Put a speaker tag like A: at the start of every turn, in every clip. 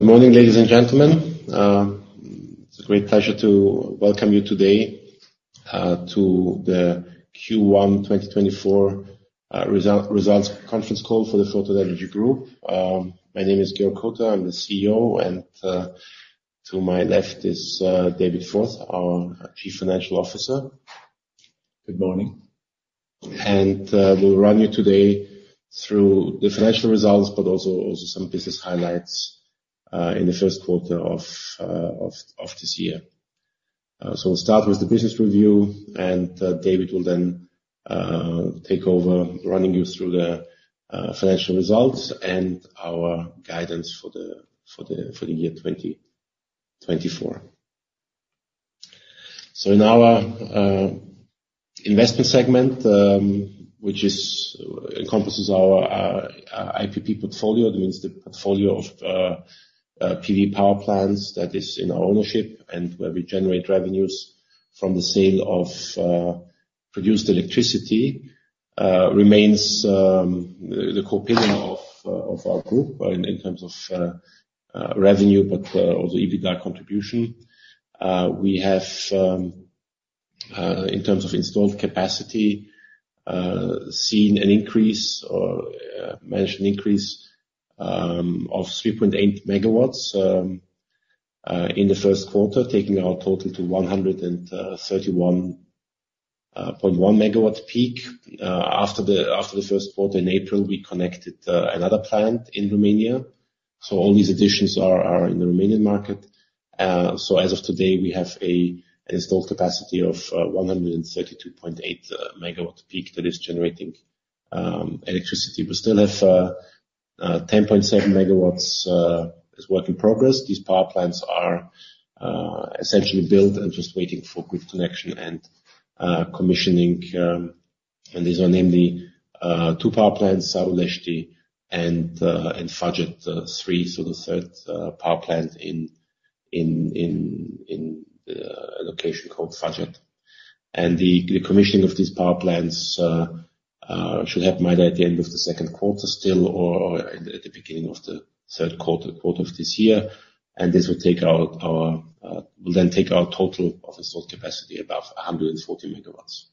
A: Morning, ladies and gentlemen. It's a great pleasure to welcome you today to the Q1 2024 results conference call for the Photon Energy Group. My name is Georg Hotar, I'm the CEO, and to my left is David Forth, our Chief Financial Officer. Good morning. We'll run you today through the financial results, but also some business highlights in the first quarter of this year. So, we'll start with the business review, and David will then take over, running you through the financial results and our guidance for the year 2024. So, in our investment segment, which encompasses our IPP portfolio, that means the portfolio of PV power plants that is in our ownership and where we generate revenues from the sale of produced electricity, remains the core pillar of our group in terms of revenue, but also EBITDA contribution. We have in terms of installed capacity seen an increase or managed an increase of 3.8 MW in the first quarter, taking our total to 131.1 MWp. After the first quarter in April, we connected another plant in Romania. So, all these additions are in the Romanian market. So as of today, we have an installed capacity of 132.8 MWp that is generating electricity. We still have 10.7 MW as work in progress. These power plants are essentially built and just waiting for grid connection and commissioning. And these are namely two power plants, Sărulești and Făget three, so the third power plant in a location called Făget. And the commissioning of these power plants should happen either at the end of the second quarter still or at the beginning of the third quarter of this year. And this will take our, will then take our total of installed capacity above 140 megawatts.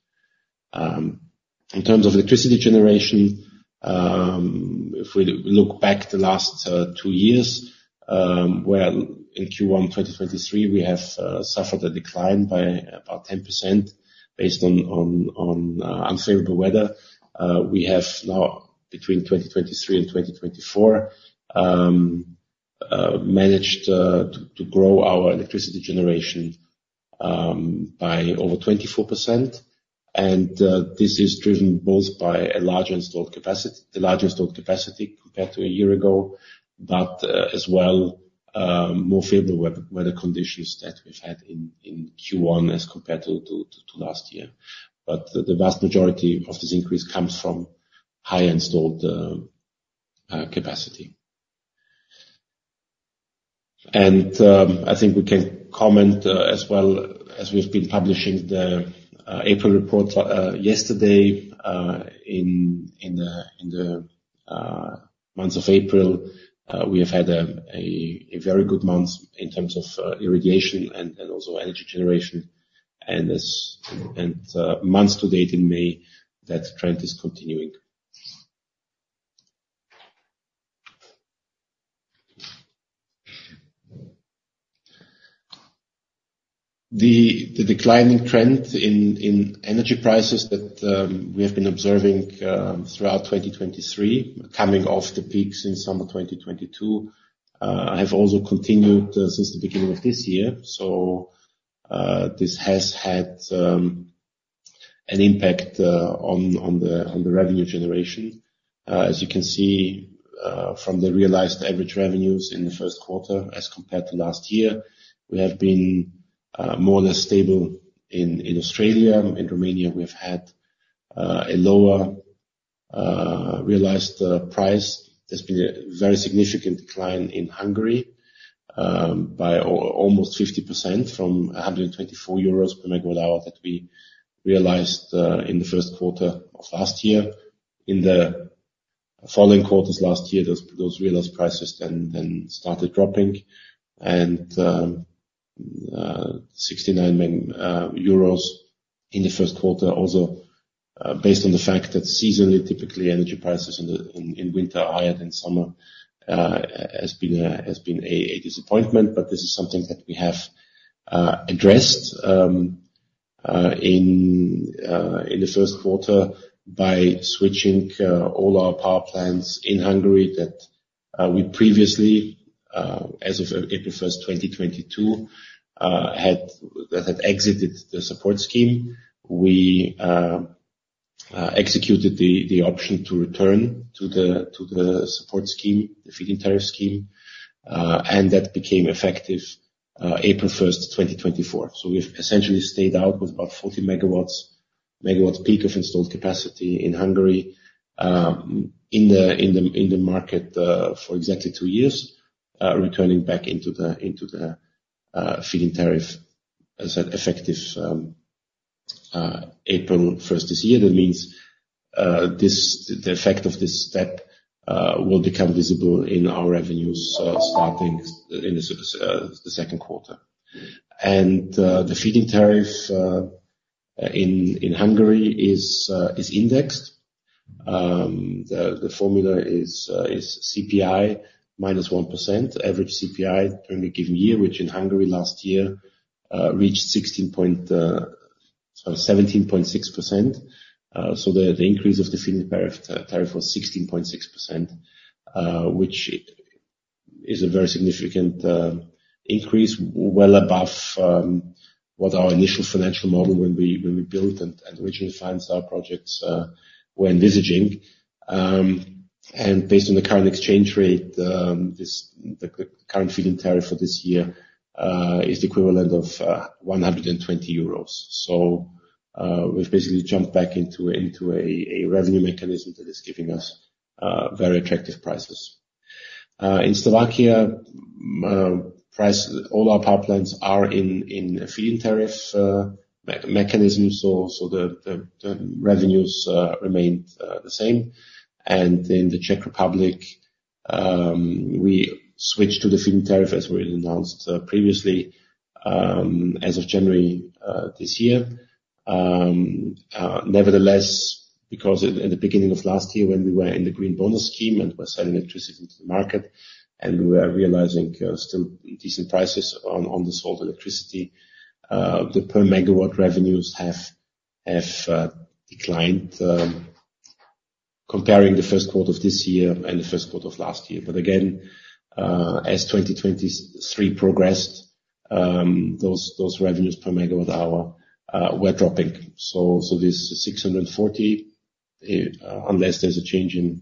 A: In terms of electricity generation, if we look back the last two years, where in Q1 2023, we have suffered a decline by about 10% based on unfavorable weather. We have now, between 2023 and 2024, managed to grow our electricity generation by over 24%. And this is driven both by a larger installed capacity, a larger installed capacity compared to a year ago, but as well, more favorable weather conditions that we've had in Q1 as compared to last year. But the vast majority of this increase comes from high installed capacity. And I think we can comment as well as we've been publishing the April report yesterday. In the month of April, we have had a very good month in terms of irrigation and also energy generation. And months to date in May, that trend is continuing. The declining trend in energy prices that we have been observing throughout 2023, coming off the peaks in summer 2022, have also continued since the beginning of this year. So, this has had an impact on the revenue generation. As you can see, from the realized average revenues in the first quarter as compared to last year, we have been more or less stable in Australia. In Romania, we've had a lower realized price. There's been a very significant decline in Hungary by almost 50%, from 124 euros per MWh that we realized in the first quarter of last year. In the following quarters last year, those realized prices then started dropping. EUR 69 in the first quarter, also based on the fact that seasonally, typically, energy prices in the winter are higher than summer, has been a disappointment. But this is something that we have addressed in the first quarter by switching all our power plants in Hungary that we previously, as of April 1st, 2022, had exited the support scheme. We executed the option to return to the support scheme, the feed-in tariff scheme, and that became effective April 1, 2024. So we've essentially stayed out with about 40 MWp of installed capacity in Hungary, in the market, for exactly 2 years, returning back into the feed-in tariff as at effective April 1st, April 1st this year. That means, the effect of this step, will become visible in our revenues, starting in the second quarter. And, the feed-in tariff in Hungary is indexed. The formula is CPI minus 1%, average CPI during a given year, which in Hungary last year reached 16 point, sorry, 17.6%. So the increase of the feed-in tariff was 16.6%, which is a very significant increase, well above what our initial financial model when we built and which we financed our projects when envisaging. And based on the current exchange rate, the current feed-in tariff for this year is the equivalent of 120 euros. So, we've basically jumped back into a revenue mechanism that is giving us very attractive prices. In Slovakia, all our power plants are in a feed-in tariff mechanism, so the revenues remained the same. And in the Czech Republic, we switched to the feed-in tariff, as we announced previously, as of January this year. Nevertheless, because at the beginning of last year, when we were in the green bonus scheme and were selling electricity into the market, and we were realizing still decent prices on the sold electricity, the per megawatt revenues have declined, comparing the first quarter of this year and the first quarter of last year. But again, as 2023 progressed, those revenues per megawatt hour were dropping. So this 640, unless there's a change in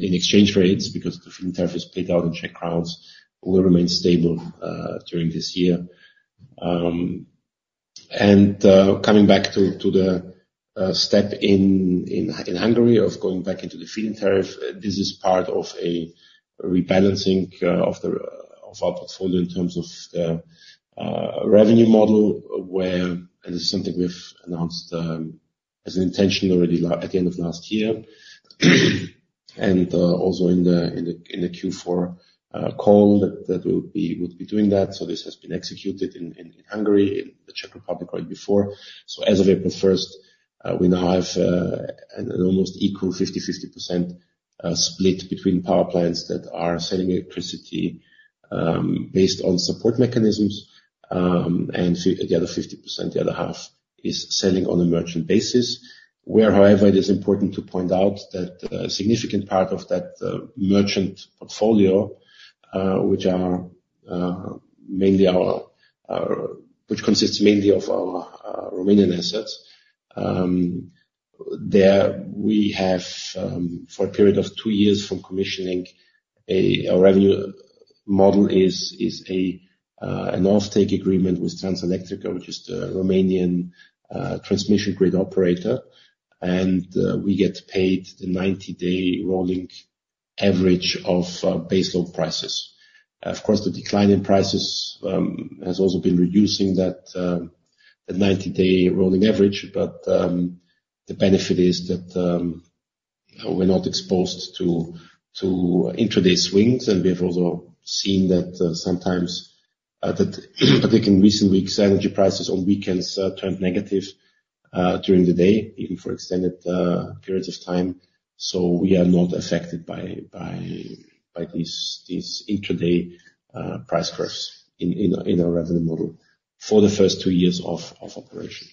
A: exchange rates, because the feed-in tariff is paid out in Czech crowns, will remain stable during this year. Coming back to the step in Hungary of going back into the feed-in tariff, this is part of a rebalancing of our portfolio in terms of revenue model, where it is something we've announced as an intention already at the end of last year. And, also in the Q4 call, that we would be doing that. So this has been executed in Hungary, in the Czech Republic right before. So as of April 1st, we now have an almost equal 50/50 split between power plants that are selling electricity based on support mechanisms, and the other 50%, the other half, is selling on a merchant basis. Where, however, it is important to point out that a significant part of that, merchant portfolio, which consists mainly of our Romanian assets, there we have, for a period of 2 years from commissioning, our revenue model is a an offtake agreement with Transelectrica, which is the Romanian transmission grid operator, and we get paid the 90-day rolling average of baseload prices. Of course, the decline in prices has also been reducing that the 90-day rolling average, but the benefit is that we're not exposed to intraday swings. And we have also seen that sometimes that, I think in recent weeks, energy prices on weekends turned negative during the day, even for extended periods of time. So we are not affected by these intraday price curves in our revenue model for the first two years of operation.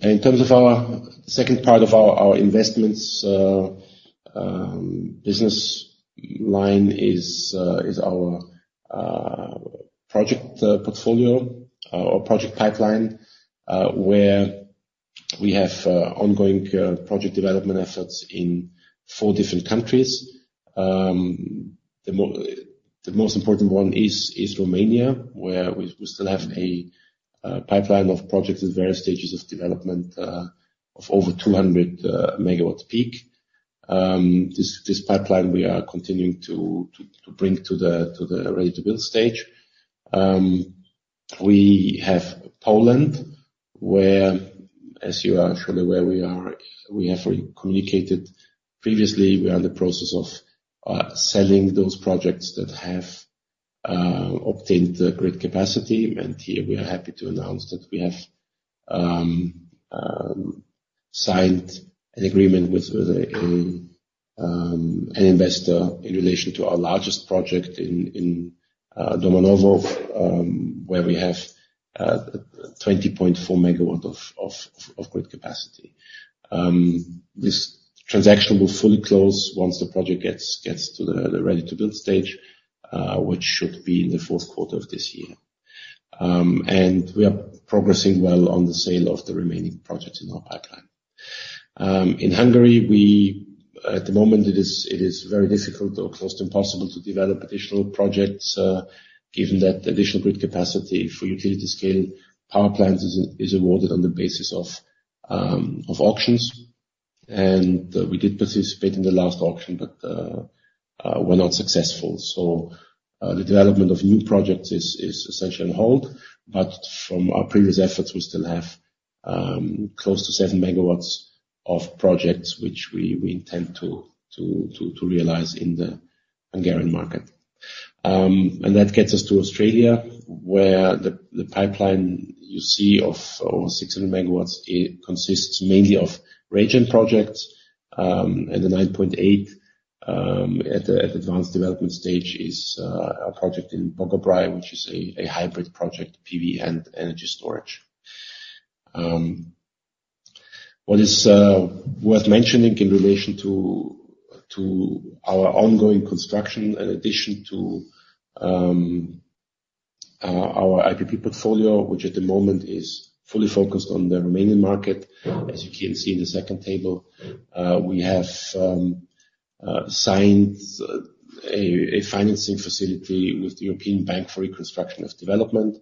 A: In terms of our second part of our investments business line is our project portfolio or project pipeline, where we have ongoing project development efforts in four different countries. The most important one is Romania, where we still have a pipeline of projects at various stages of development of over 200 megawatts peak. This pipeline we are continuing to bring to the ready-to-build stage. We have Poland, where, as you are surely aware, we are, we have communicated previously, we are in the process of selling those projects that have obtained the grid capacity. Here we are happy to announce that we have signed an agreement with an investor in relation to our largest project in Domanowo, where we have 20.4 MW of grid capacity. This transaction will fully close once the project gets to the ready-to-build stage, which should be in the fourth quarter of this year. We are progressing well on the sale of the remaining projects in our pipeline. In Hungary, at the moment, it is very difficult or close to impossible to develop additional projects, given that additional grid capacity for utility-scale power plants is awarded on the basis of auctions. We did participate in the last auction, but were not successful. The development of new projects is essentially on hold, but from our previous efforts, we still have close to 7 MW of projects, which we intend to realize in the Hungarian market. That gets us to Australia, where the pipeline you see of over 600 MW consists mainly of RayGen projects. The 9.8 at the advanced development stage is a project in Boggabri, which is a hybrid project, PV and energy storage. What is worth mentioning in relation to our ongoing construction, in addition to our IPP portfolio, which at the moment is fully focused on the Romanian market. As you can see in the second table, we have signed a financing facility with the European Bank for Reconstruction and Development,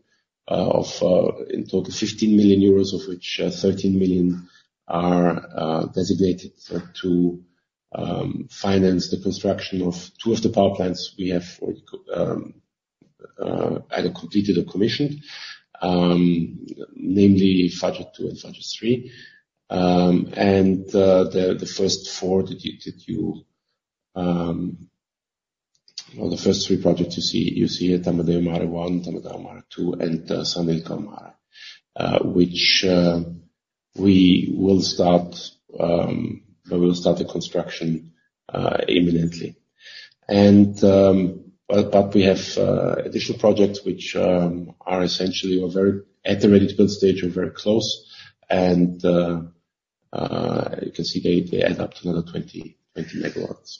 A: in total, 15 million euros, of which 13 million are designated for to finance the construction of two of the power plants we have either completed or commissioned. Namely, Făget Two and Făget Three. And the first four that you, well, the first three projects you see at Tămădău Mare One, Tămădău Mare Two, and Sânnicolau Mare, which we will start the construction imminently. Well, but we have additional projects which are essentially or very at the ready-to-build stage or very close. You can see they add up to another 20 MW-25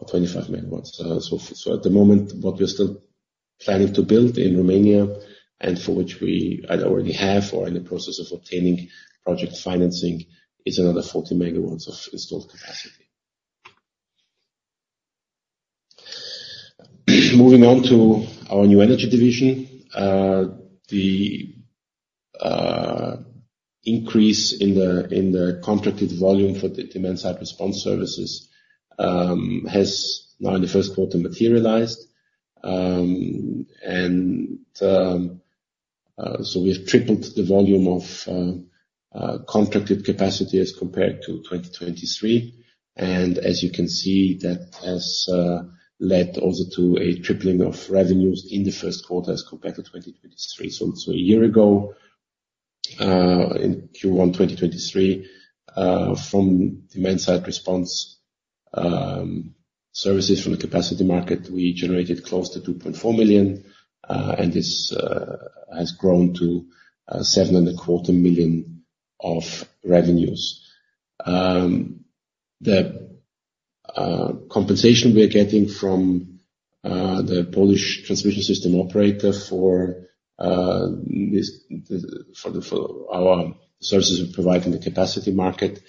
A: MW. At the moment, what we're still planning to build in Romania, and for which we either already have or in the process of obtaining project financing, is another 40MW of installed capacity. Moving on to our new energy division. The increase in the contracted volume for the demand side response services has now in the first quarter materialized. So we've tripled the volume of contracted capacity as compared to 2023. And as you can see, that has led also to a tripling of revenues in the first quarter as compared to 2023. A year ago in Q1 2023 from demand side response services from the capacity market, we generated close to 2.4 million, and this has grown to 7.25 million of revenues. The compensation we are getting from the Polish transmission system operator for our services of providing the capacity market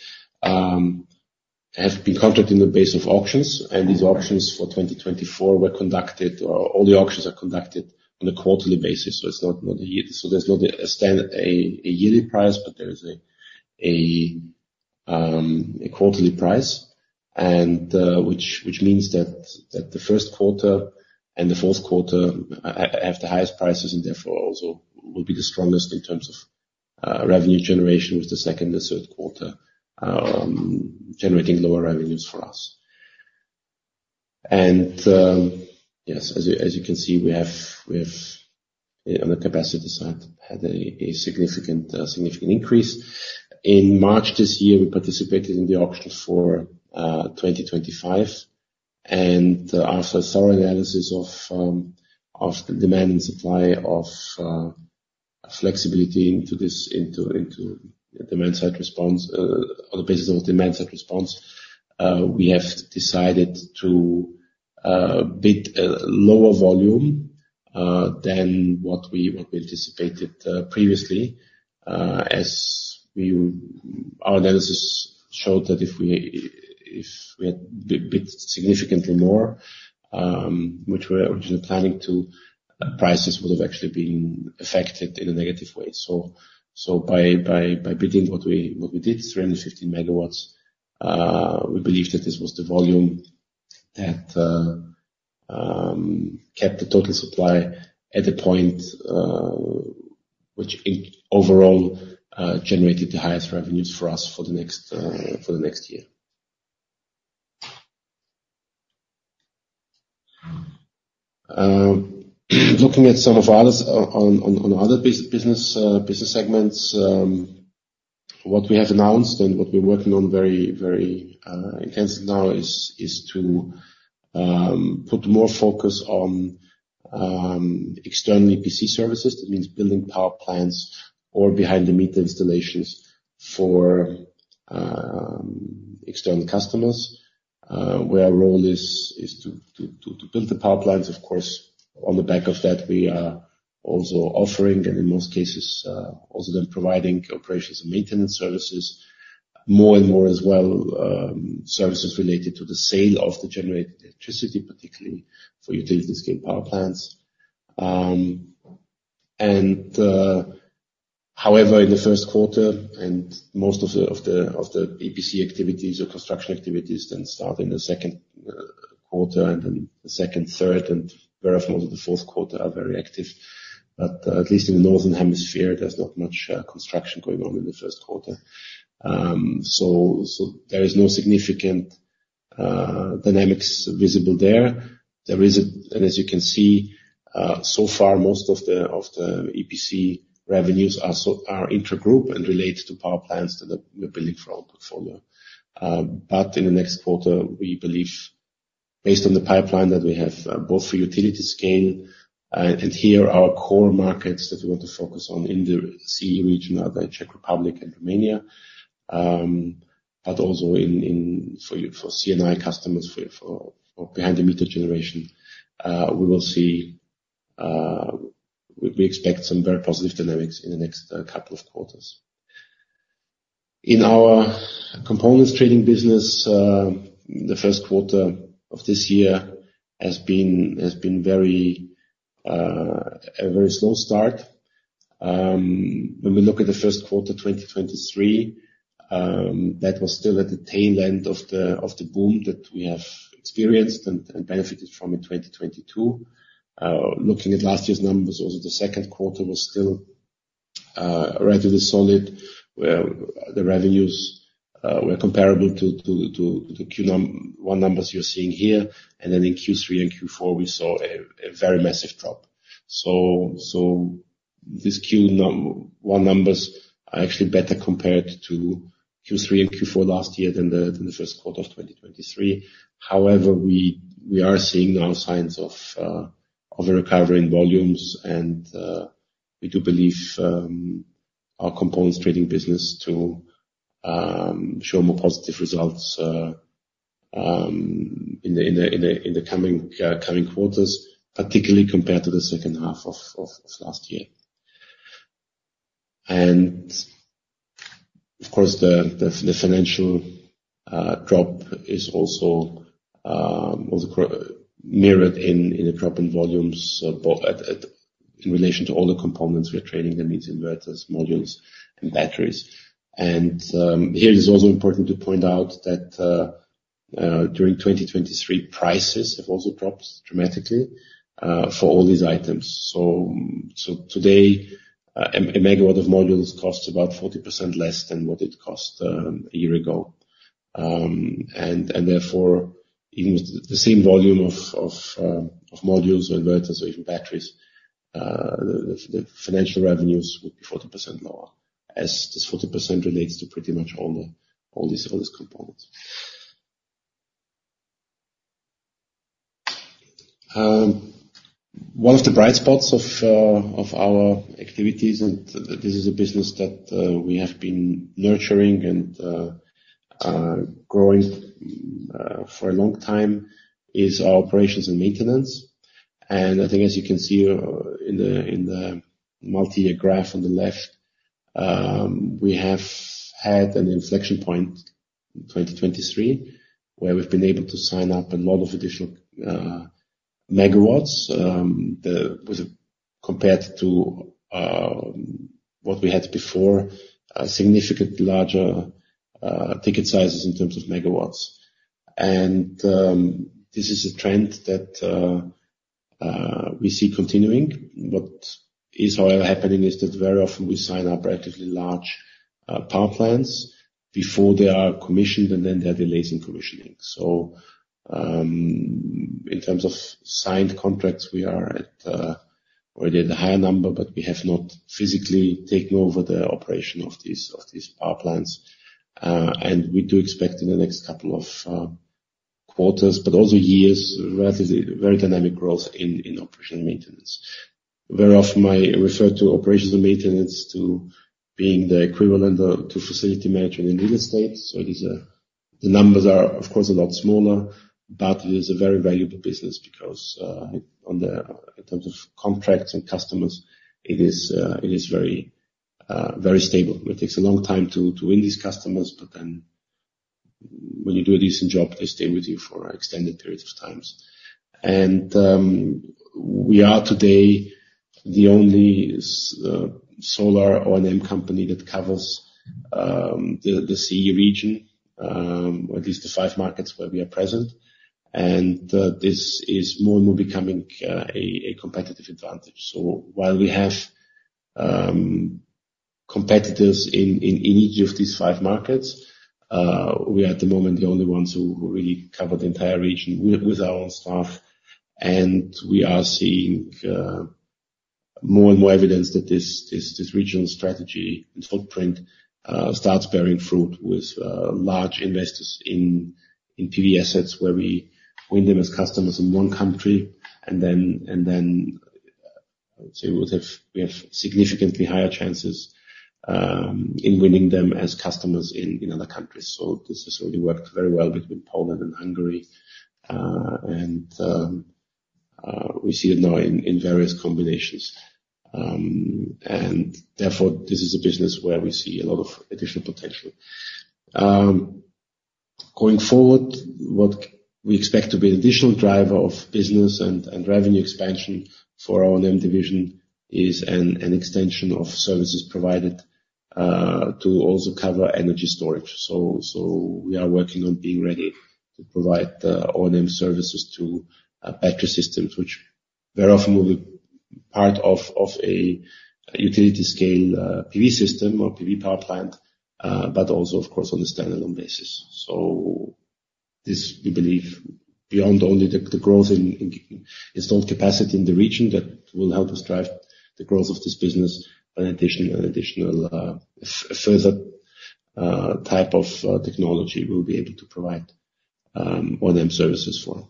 A: have been contracted on the basis of auctions, and these auctions for 2024 were conducted, or all the auctions are conducted on a quarterly basis, so it's not a year. So there's not a standard yearly price, but there is a quarterly price, and which means that the first quarter and the fourth quarter have the highest prices, and therefore also will be the strongest in terms of revenue generation, with the second and third quarter generating lower revenues for us. And yes, as you can see, we have on the capacity side had a significant increase. In March this year, we participated in the auction for 2025, and after a thorough analysis of the demand and supply of flexibility into this into demand side response on the basis of demand side response, we have decided to bid a lower volume than what we anticipated previously. As we. Our analysis showed that if we had bid significantly more, which we were originally planning to, prices would have actually been affected in a negative way. So by bidding what we did, 315 MW, we believe that this was the volume that kept the total supply at a point which in overall generated the highest revenues for us for the next year. Looking at some of our other business segments, what we have announced and what we're working on very intensely now is to put more focus on external EPC services. That means building power plants or behind the meter installations for external customers, where our role is to build the power plants. Of course, on the back of that, we are also offering, and in most cases, also then providing operations and maintenance services. More and more as well, services related to the sale of the generated electricity, particularly for utility-scale power plants. However, in the first quarter, and most of the EPC activities or construction activities then start in the second quarter, and then the second, third, and very often the fourth quarter are very active. But at least in the Northern Hemisphere, there's not much construction going on in the first quarter. So there is no significant dynamics visible there. There is, and as you can see, so far, most of the EPC revenues are intragroup and relate to power plants that we're building for our own portfolio. But in the next quarter, we believe, based on the pipeline, that we have both the utility scale and here, our core markets that we want to focus on in the CE region are the Czech Republic and Romania. But also in for C&I customers, for behind the meter generation, we will see we expect some very positive dynamics in the next couple of quarters. In our components trading business, the first quarter of this year has been a very slow start. When we look at the first quarter, 2023, that was still at the tail end of the boom that we have experienced and benefited from in 2022. Looking at last year's numbers, also the second quarter was still relatively solid, where the revenues were comparable to Q1 numbers you're seeing here, and then in Q3 and Q4, we saw a very massive drop. So this Q1 numbers are actually better compared to Q3 and Q4 last year than the first quarter of 2023. However, we are seeing now signs of a recovery in volumes, and we do believe our components trading business to show more positive results in the coming quarters, particularly compared to the second half of last year. And of course, the financial drop is also mirrored in the drop in volumes in relation to all the components we are trading, that means inverters, modules, and batteries. And here, it's also important to point out that during 2023, prices have also dropped dramatically for all these items. So today, a megawatt of modules costs about 40% less than what it cost a year ago. Therefore, even with the same volume of modules, inverters, or even batteries, the financial revenues would be 40% lower, as this 40% relates to pretty much all these components. One of the bright spots of our activities, and this is a business that we have been nurturing and growing for a long time, is our operations and maintenance. And I think as you can see, in the multi-year graph on the left, we have had an inflection point in 2023, where we've been able to sign up a lot of additional megawatts. With compared to what we had before, significantly larger ticket sizes in terms of megawatts. This is a trend that we see continuing. What is, however, happening is that very often we sign up relatively large power plants before they are commissioned, and then there are delays in commissioning. So, in terms of signed contracts, we are at already at a higher number, but we have not physically taken over the operation of these power plants. And we do expect in the next couple of quarters, but also years, relatively very dynamic growth in operation and maintenance. Very often, I refer to operations and maintenance to being the equivalent to facility management in real estate. So these are the numbers are, of course, a lot smaller, but it is a very valuable business because in terms of contracts and customers, it is very very stable. It takes a long time to, to win these customers, but then when you do a decent job, they stay with you for extended periods of times. And, we are today the only solar O&M company that covers, the, the CE region, or at least the five markets where we are present. And, this is more and more becoming, a, a competitive advantage. So while we have competitors in each of these five markets, we are at the moment the only ones who really cover the entire region with our own staff, and we are seeing more and more evidence that this regional strategy and footprint starts bearing fruit with large investors in PV assets, where we win them as customers in one country, and then I would say we have significantly higher chances in winning them as customers in other countries. So this has already worked very well between Poland and Hungary, and we see it now in various combinations. And therefore, this is a business where we see a lot of additional potential. Going forward, what we expect to be an additional driver of business and revenue expansion for our O&M division is an extension of services provided to also cover energy storage. So we are working on being ready to provide the O&M services to battery systems, which very often will be part of a utility scale PV system or PV power plant, but also, of course, on a standalone basis. So this, we believe, beyond only the growth in installed capacity in the region, that will help us drive the growth of this business, an additional further type of technology we'll be able to provide O&M services for.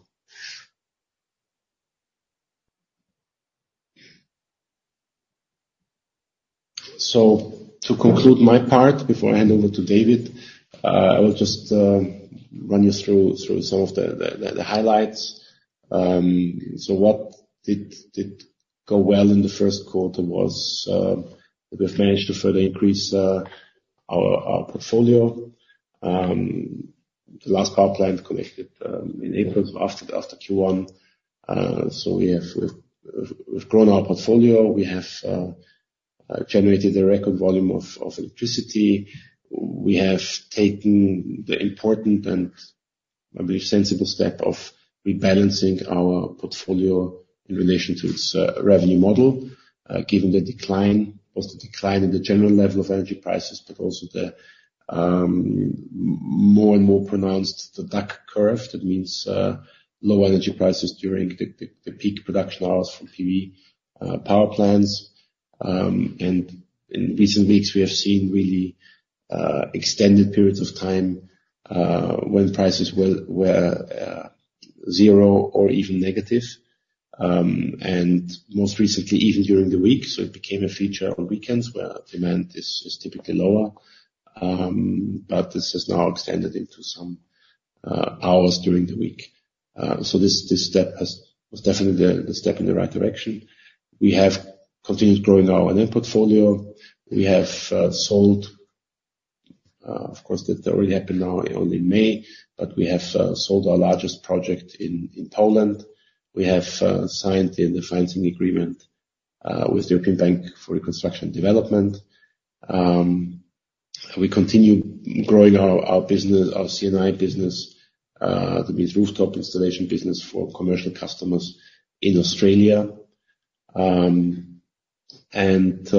A: So to conclude my part before I hand over to David, I will just run you through some of the highlights. So what did go well in the first quarter was we've managed to further increase our portfolio. The last power plant connected in April, after Q1. So we've grown our portfolio. We have generated a record volume of electricity. We have taken the important and, I believe, sensible step of rebalancing our portfolio in relation to its revenue model, given the decline, both the decline in the general level of energy prices, but also the more and more pronounced duck curve. That means low energy prices during the peak production hours from PV power plants. And in recent weeks, we have seen really extended periods of time when prices were zero or even negative. And most recently, even during the week, so it became a feature on weekends, where demand is typically lower, but this has now extended into some hours during the week. So this step was definitely the step in the right direction. We have continued growing our O&M portfolio. We have sold, of course, that already happened now only in May, but we have sold our largest project in Poland. We have signed the financing agreement with the European Bank for Reconstruction and Development. We continue growing our business, our C&I business, that means rooftop installation business for commercial customers in Australia. And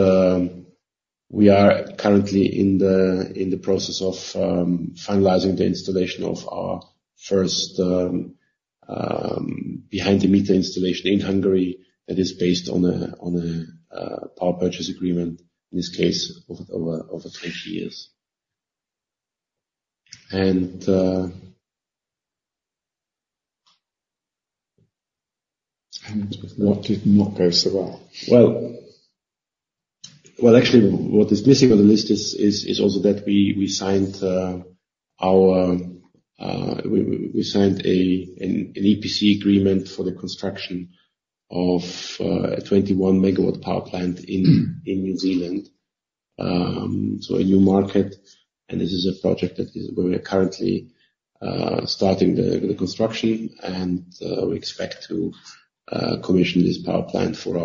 A: we are currently in the process of finalizing the installation of our first behind-the-meter installation in Hungary. That is based on a power purchase agreement, in this case, over 20 years. And what did not go so well? Well, actually, what is missing on the list is also that we signed an EPC agreement for the construction of a 21 MW power plant in New Zealand. So a new market, and this is a project where we are currently starting the construction, and we expect to commission this power plant for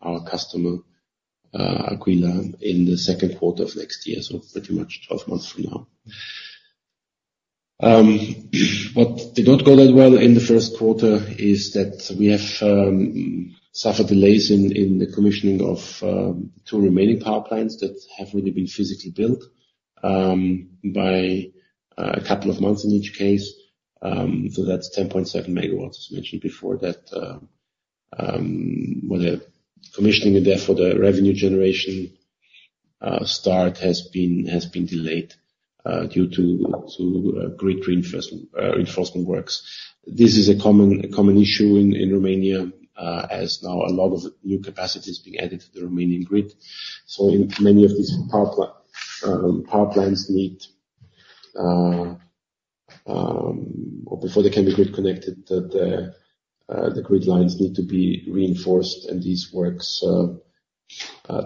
A: our customer Aquila in the second quarter of next year. So pretty much 12 months from now. What did not go that well in the first quarter is that we have suffered delays in the commissioning of two remaining power plants that have already been physically built by a couple of months in each case. So that's 10.7 MW, as mentioned before, that, well, the commissioning and therefore, the revenue generation start has been delayed due to grid reinforcement reinforcement works. This is a common issue in Romania as now a lot of new capacity is being added to the Romanian grid. So in many of these power plants need. Or before they can be grid connected, the grid lines need to be reinforced, and these works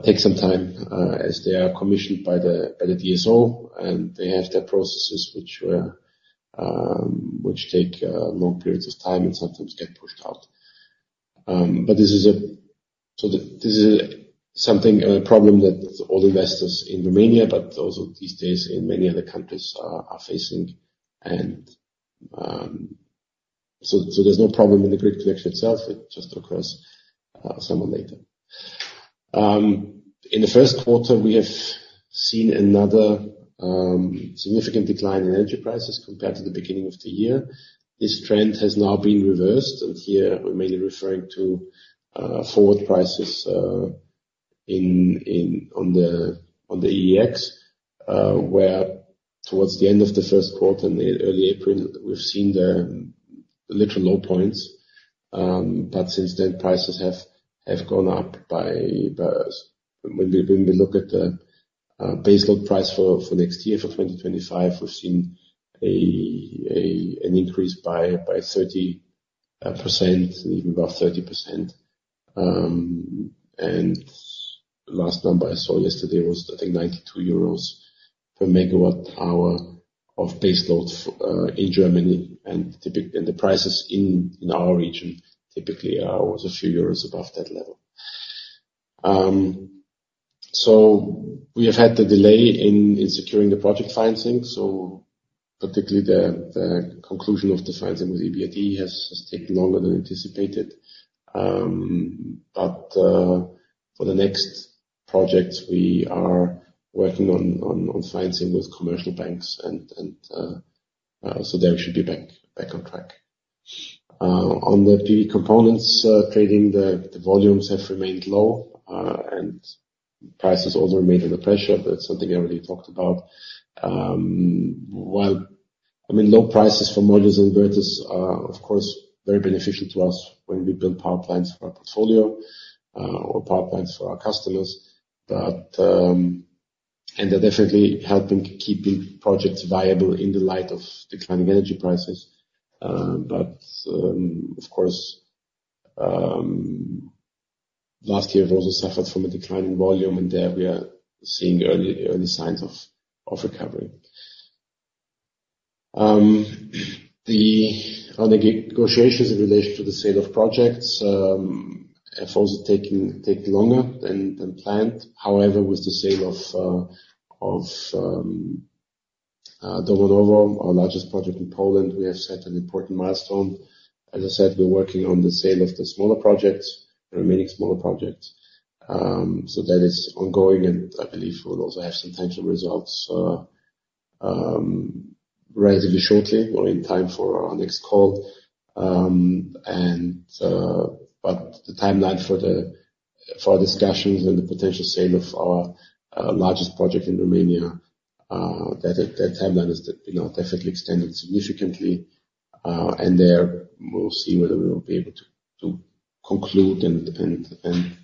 A: take some time, as they are commissioned by the DSO, and they have their processes which take long periods of time and sometimes get pushed out. But this is a so this is something, a problem that all investors in Romania, but also these days in many other countries are facing. So there's no problem in the grid connection itself, it's just occurs somewhat later. In the first quarter, we have seen another significant decline in energy prices compared to the beginning of the year. This trend has now been reversed, and here, we're mainly referring to forward prices on the EEX, where towards the end of the first quarter, in early April, we've seen the literal low points. But since then, prices have gone up by, when we look at the baseload price for next year, for 2025, we've seen an increase by 30%, even above 30%. The last number I saw yesterday was, I think, 92 euros per MWh of baseload in Germany, and typically the prices in our region are a few euros above that level. So we have had the delay in securing the project financing, so particularly the conclusion of the financing with EBITDA has taken longer than anticipated. But for the next project, we are working on financing with commercial banks and so that should be back on track. On the PV components trading, the volumes have remained low and prices also remain under pressure. That's something I already talked about. While, I mean, low prices for modules and inverters are, of course, very beneficial to us when we build power plants for our portfolio or power plants for our customers. But and they're definitely helping keeping projects viable in the light of declining energy prices. But of course, last year, we also suffered from a declining volume, and there we are seeing early, early signs of recovery. On the negotiations in relation to the sale of projects have also taken longer than planned. However, with the sale of Domanowo, our largest project in Poland, we have set an important milestone. As I said, we're working on the sale of the smaller projects, remaining smaller projects. So that is ongoing, and I believe we'll also have some potential results relatively shortly or in time for our next call. But the timeline for discussions and the potential sale of our largest project in Romania, that timeline is, you know, definitely extended significantly. And there, we'll see whether we will be able to conclude and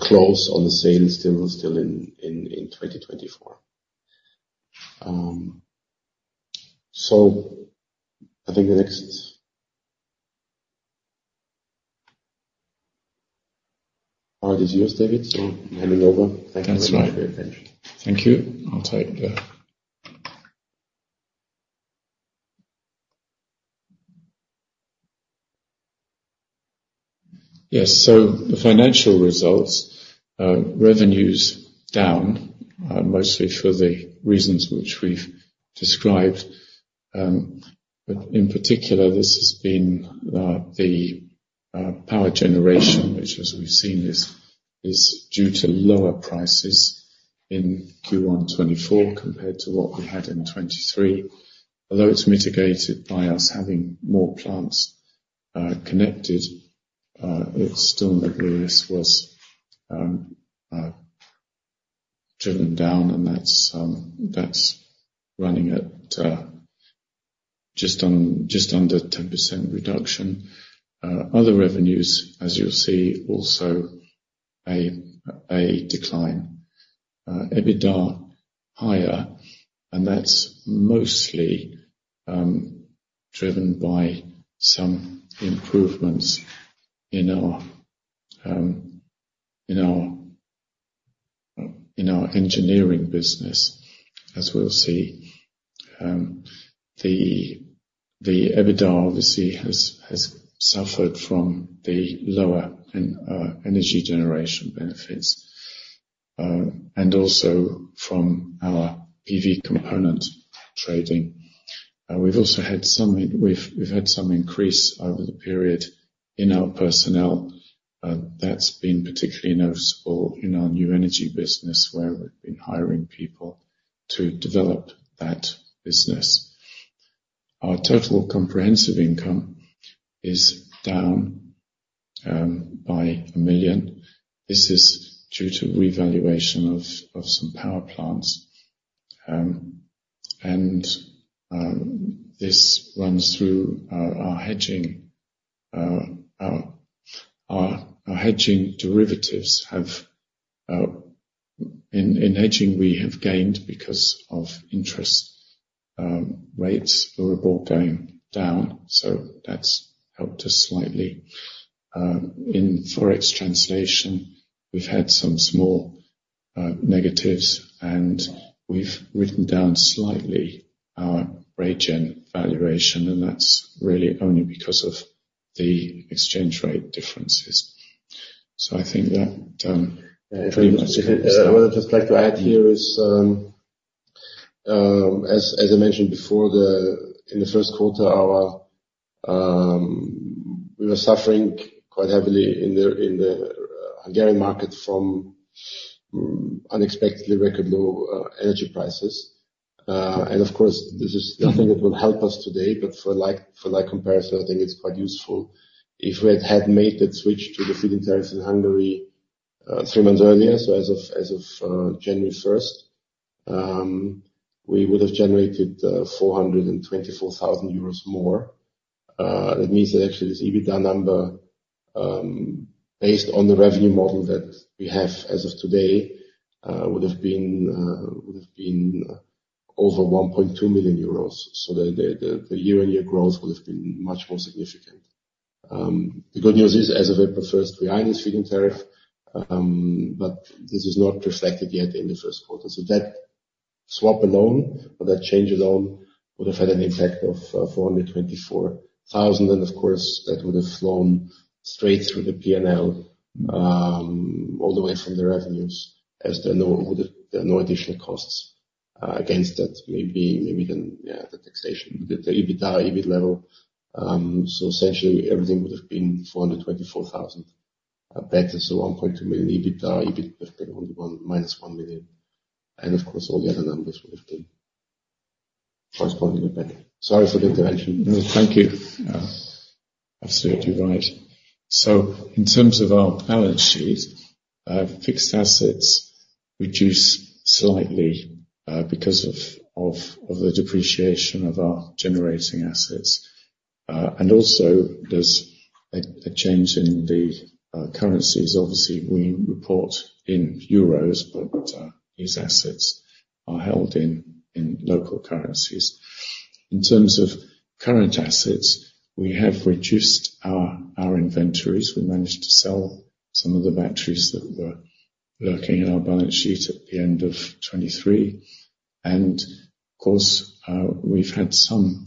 A: close on the sale still in 2024. So I think the next is yours, David, so handing over. Thank you very much for your attention.
B: That's right. Thank you. I'll take the. Yes, so the financial results, revenues down, mostly for the reasons which we've described. But in particular, this has been the power generation, which as we've seen, is due to lower prices in Q1 2024 compared to what we had in 2023. Although it's mitigated by us having more plants connected, it's still the revenues was driven down, and that's running at just under 10% reduction. Other revenues, as you'll see, also a decline. EBITDA higher, and that's mostly driven by some improvements in our engineering business, as we'll see. The EBITDA, obviously, has suffered from the lower energy generation revenues, and also from our PV component trading. We've also had some increase over the period in our personnel. That's been particularly noticeable in our new energy business, where we've been hiring people to develop that business. Our total comprehensive income is down by 1 million. This is due to revaluation of some power plants. This runs through our hedging. Our hedging derivatives have. In hedging, we have gained because of interest rates were both going down, so that's helped us slightly. In Forex translation, we've had some small negatives, and we've written down slightly our RayGen valuation, and that's really only because of the exchange rate differences. So I think that pretty much covers that.
A: What I'd just like to add here is, as I mentioned before, in the first quarter, we were suffering quite heavily in the Hungarian market from unexpectedly record low energy prices. And of course, this is nothing that will help us today, but for like comparison, I think it's quite useful. If we had had made that switch to the feed-in tariffs in Hungary three months earlier, so as of January first, we would have generated 424,000 euros more. That means that actually, this EBITDA number, based on the revenue model that we have as of today, would have been over 1.2 million euros, so the year-on-year growth would have been much more significant. The good news is, as of April first, we are in this feed-in tariff, but this is not reflected yet in the first quarter. So that swap alone, or that change alone, would have had an impact of 424 thousand. And of course, that would have flown straight through the P&L, all the way from the revenues, as there are no additional costs against that. Maybe even the taxation, the EBITDA, EBIT level. So essentially, everything would have been 424,000. Back to, so 1.2 million EBITDA, EBIT would have been only -1 million, and of course, all the other numbers would have been correspondingly back. Sorry for the intervention.
B: No, thank you. Absolutely right. So in terms of our balance sheet, fixed assets reduced slightly, because of the depreciation of our generating assets. And also there's a change in the currencies. Obviously, we report in euros, but these assets are held in local currencies. In terms of current assets, we have reduced our inventories. We managed to sell some of the batteries that were lurking in our balance sheet at the end of 2023. And of course, we've had some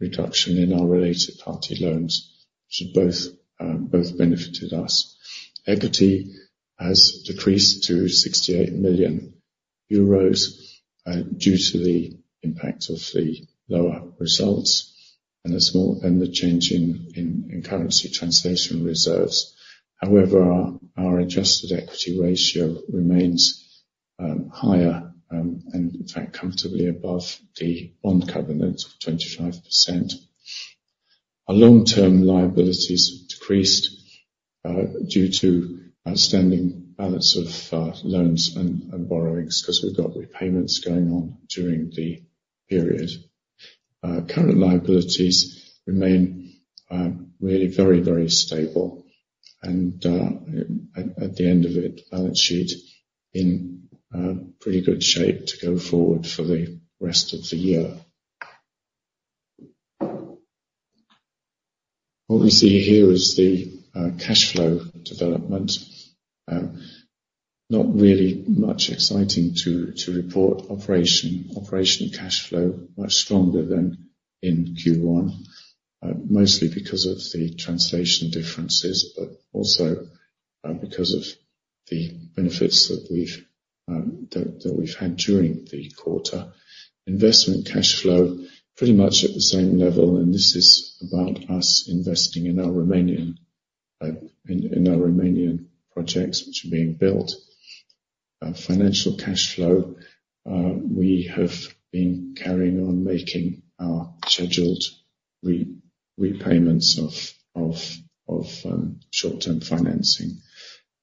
B: reduction in our related party loans, which both benefited us. Equity has decreased to 68 million euros, due to the impact of the lower results and the change in currency translation reserves. However, our adjusted equity ratio remains higher, and in fact, comfortably above the bond covenant of 25%. Our long-term liabilities decreased due to outstanding balance of loans and borrowings, 'cause we've got repayments going on during the period. Current liabilities remain really very stable and, at the end of it, balance sheet in pretty good shape to go forward for the rest of the year. What we see here is the cash flow development. Not really much exciting to report operation. Operational cash flow, much stronger than in Q1, mostly because of the translation differences, but also because of the benefits that we've had during the quarter. Investment cash flow, pretty much at the same level, and this is about us investing in our Romanian projects, which are being built. Financial cash flow, we have been carrying on making our scheduled repayments of short-term financing.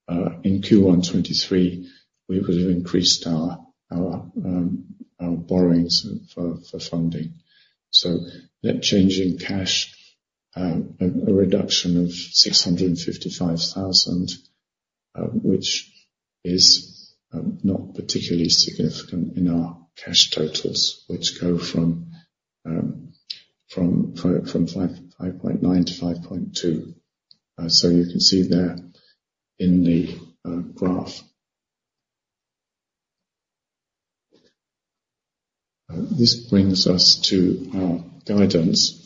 B: In Q1 2023, we would have increased our borrowings for funding. So net change in cash, a reduction of 655,000, which is not particularly significant in our cash totals, which go from 5.9 million to 5.2 million. So you can see there in the graph. This brings us to our guidance.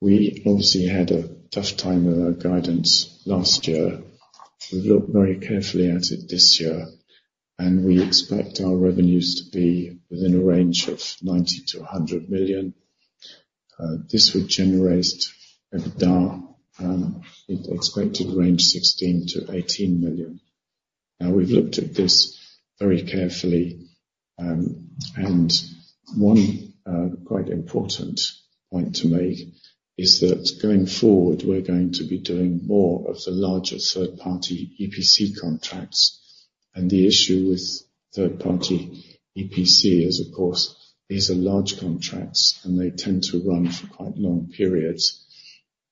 B: We obviously had a tough time with our guidance last year. We've looked very carefully at it this year, and we expect our revenues to be within a range of 90 million-100 million. This would generate EBITDA in expected range 16 million-18 million. Now, we've looked at this very carefully, and one quite important point to make is that going forward, we're going to be doing more of the larger third-party EPC contracts. And the issue with third-party EPC is, of course, these are large contracts, and they tend to run for quite long periods.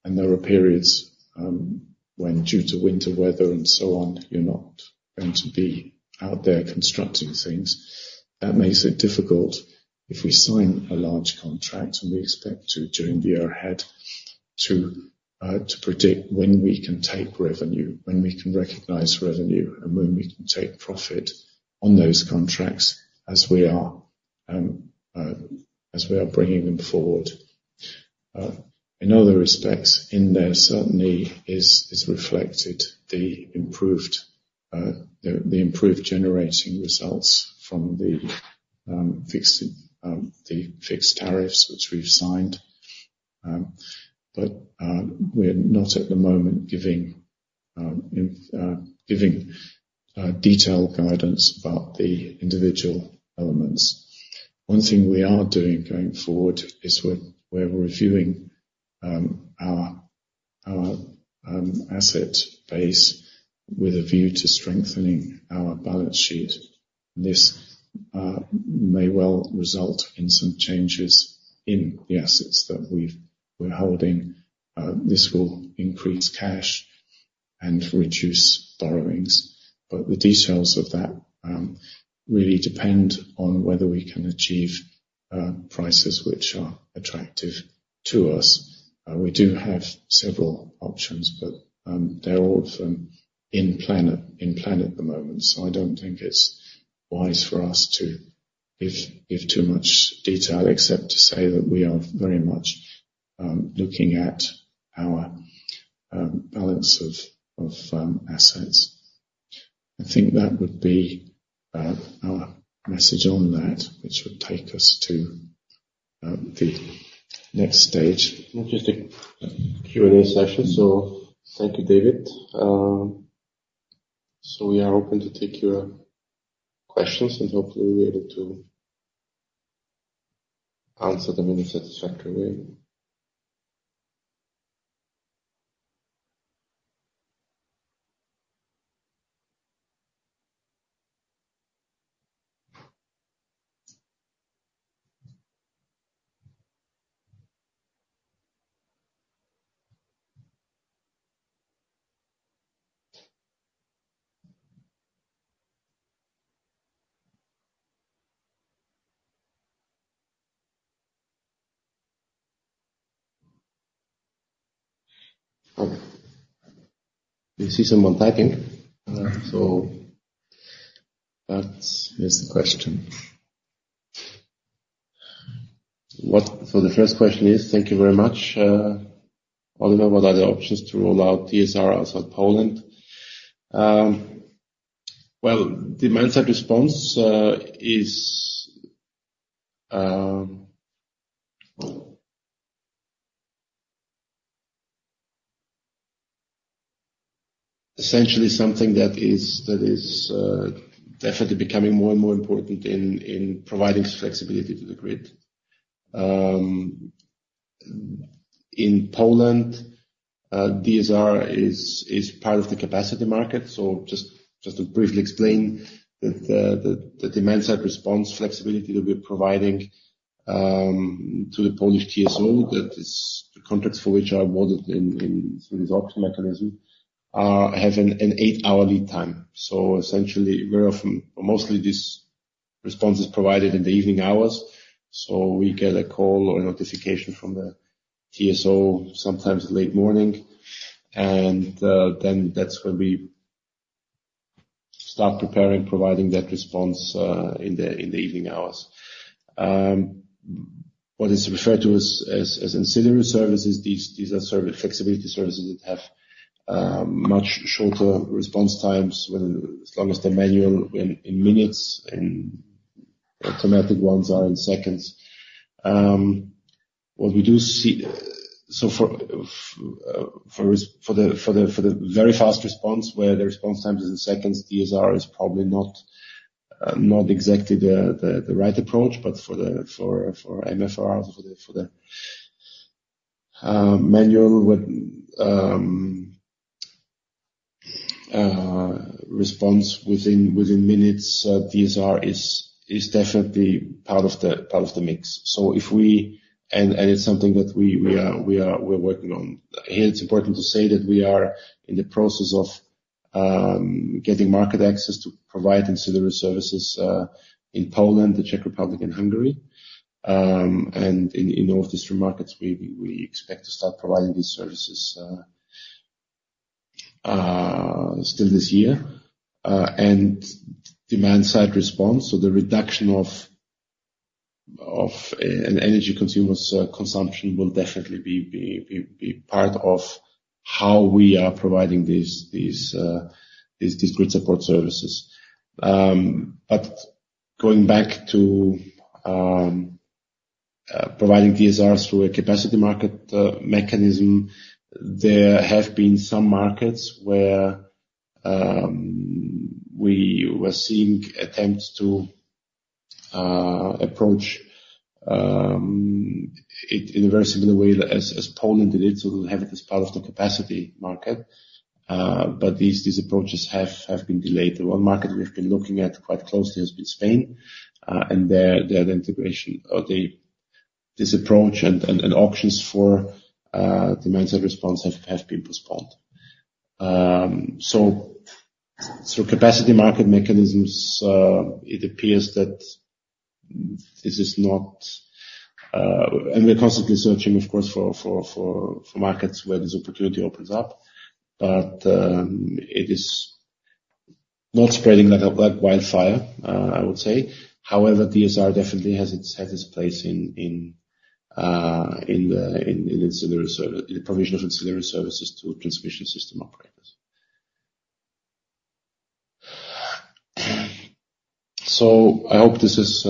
B: And there are periods when, due to winter weather and so on, you're not going to be out there constructing things. That makes it difficult if we sign a large contract, and we expect to, during the year ahead, to predict when we can take revenue, when we can recognize revenue, and when we can take profit on those contracts as we are bringing them forward. In other respects, there certainly is reflected the improved generating results from the fixed tariffs, which we've signed. But we're not at the moment giving detailed guidance about the individual elements. One thing we are doing going forward is we're reviewing our asset base with a view to strengthening our balance sheet. This may well result in some changes in the assets that we're holding. This will increase cash. and reduce borrowings, but the details of that really depend on whether we can achieve prices which are attractive to us. We do have several options, but they're all of them in plan at the moment, so I don't think it's wise for us to give too much detail, except to say that we are very much looking at our balance of assets. I think that would be our message on that, which would take us to the next stage.
A: Just a Q&A session. So thank you, David. So we are open to take your questions, and hopefully, we're able to answer them in a satisfactory way. We see someone typing, so that is the question. So the first question is, thank you very much, what are the other options to roll out DSR outside Poland? Well, demand-side response is essentially something that is, that is, definitely becoming more and more important in providing flexibility to the grid. In Poland, DSR is part of the capacity market. So just to briefly explain that, the demand-side response flexibility that we're providing to the Polish TSO, that is the contracts for which are awarded in the auction mechanism, have an eight-hourly time. So essentially, very often, mostly this response is provided in the evening hours, so we get a call or notification from the TSO, sometimes late morning, and then that's when we start preparing, providing that response, in the evening hours. What is referred to as ancillary services, these are sort of flexibility services that have much shorter response times, when as long as they're manual, in minutes, and automatic ones are in seconds. What we do see. So for the very fast response, where the response time is in seconds, DSR is probably not exactly the right approach, but for the mFRR, the manual with response within minutes, DSR is definitely part of the mix. And it's something that we are working on. Here, it's important to say that we are in the process of getting market access to provide ancillary services in Poland, the Czech Republic, and Hungary. And in all these three markets, we expect to start providing these services still this year. Demand side response, so the reduction of an energy consumer's consumption, will definitely be part of how we are providing these grid support services. But going back to providing DSRs through a capacity market mechanism, there have been some markets where we were seeing attempts to approach it in a very similar way as Poland did it, so we have it as part of the capacity market. But these approaches have been delayed. One market we've been looking at quite closely has been Spain, and their integration, or the, this approach and auctions for demand-side response have been postponed. Through capacity market mechanisms, it appears that this is not. We're constantly searching, of course, for markets where this opportunity opens up, but it is not spreading like wildfire, I would say. However, DSR definitely has its place in ancillary service, in the provision of ancillary services to transmission system operators. So I hope this has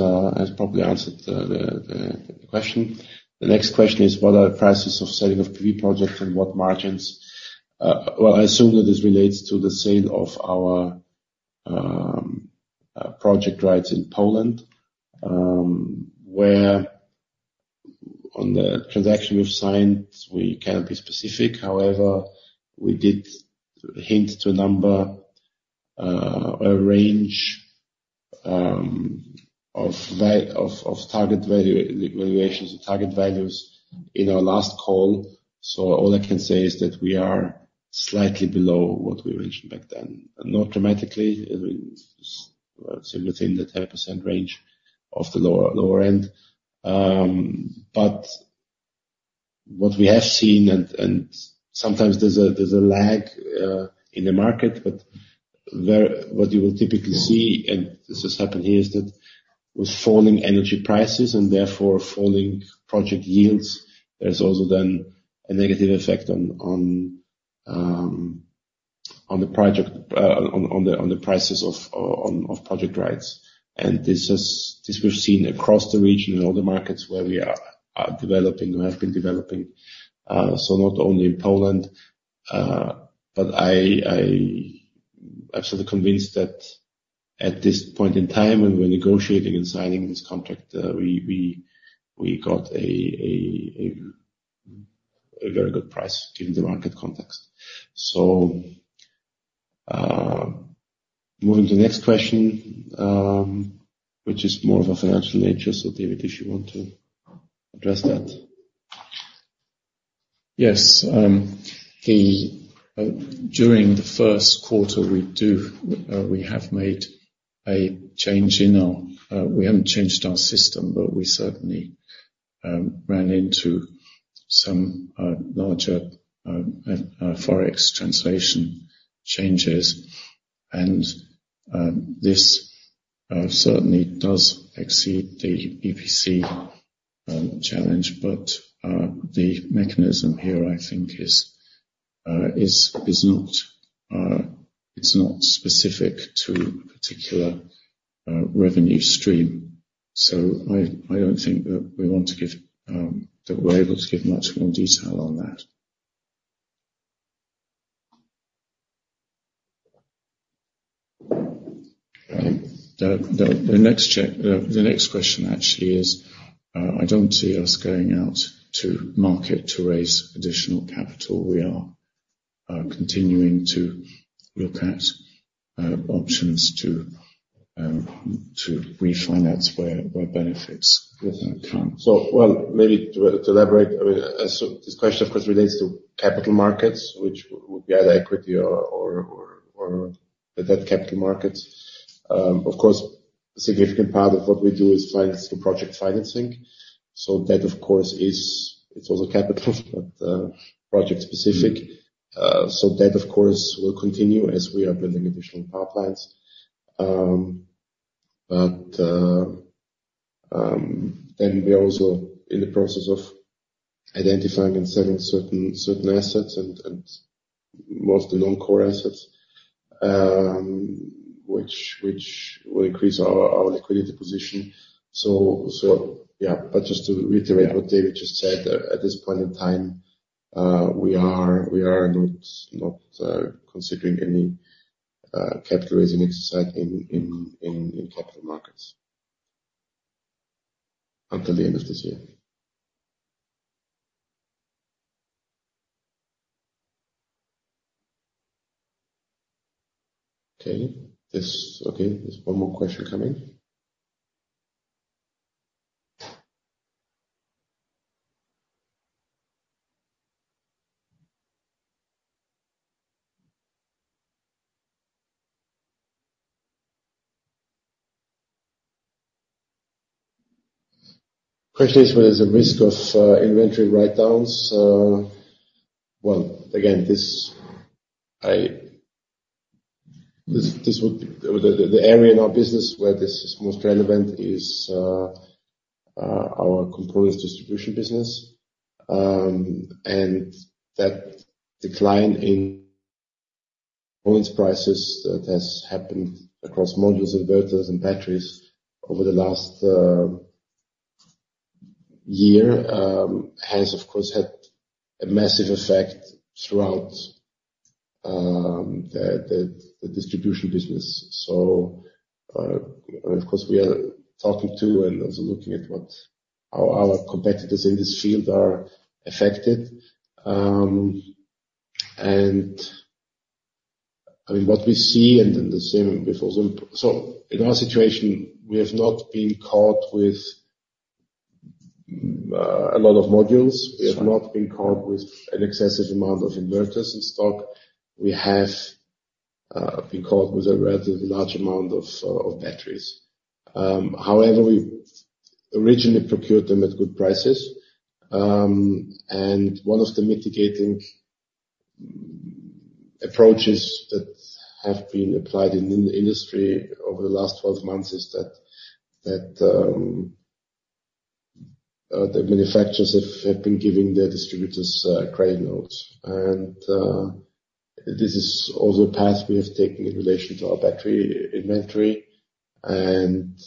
A: probably answered the question. The next question is: What are the prices of selling of PV projects and what margins? Well, I assume that this relates to the sale of our project rights in Poland, where on the transaction we've signed, we cannot be specific. However, we did hint to a number, a range of target value, valuations, target values in our last call. So all I can say is that we are slightly below what we mentioned back then, not dramatically, so within the 10% range of the lower end. But what we have seen, and sometimes there's a lag in the market, but what you will typically see, and this has happened here, is that with falling energy prices and therefore falling project yields, there's also then a negative effect on the prices of project rights. And this we've seen across the region in all the markets where we are developing, we have been developing, so not only in Poland, but I absolutely convinced that at this point in time, and we're negotiating and signing this contract, we got a very good price given the market context. So, moving to the next question, which is more of a financial nature. So David, if you want to address that.
B: Yes. During the first quarter, we have made a change in our, we haven't changed our system, but we certainly ran into some larger Forex translation changes. This certainly does exceed the EPC challenge, but the mechanism here, I think, is not specific to a particular revenue stream. So I don't think that we want to give that we're able to give much more detail on that. The next question actually is, I don't see us going out to market to raise additional capital. We are continuing to look at options to refinance where benefits with our current-
A: So, well, maybe to elaborate. I mean, so this question, of course, relates to capital markets, which would be either equity or the debt capital markets. Of course, a significant part of what we do is finance the project financing. So that, of course, is, it's also capital, but project-specific. So that, of course, will continue as we are building additional pipelines. But then we are also in the process of identifying and selling certain assets and most of the non-core assets, which will increase our liquidity position. So yeah, but just to reiterate what David just said, at this point in time, we are not considering any capital raising exercise in capital markets until the end of this year. Okay, there's one more question coming. The question is, where is the risk of inventory write-downs? Well, again, the area in our business where this is most relevant is our components distribution business. And that decline in components prices that has happened across modules, inverters, and batteries over the last year has, of course, had a massive effect throughout the distribution business. So, of course, we are talking to and also looking at what our competitors in this field are affected. And, I mean, what we see, and in the same before Zoom. So in our situation, we have not been caught with a lot of modules. We have not been caught with an excessive amount of inverters in stock. We have been caught with a relatively large amount of batteries. However, we originally procured them at good prices, and one of the mitigating approaches that have been applied in the industry over the last 12 months is that the manufacturers have been giving their distributors credit notes. And this is also a path we have taken in relation to our battery inventory, and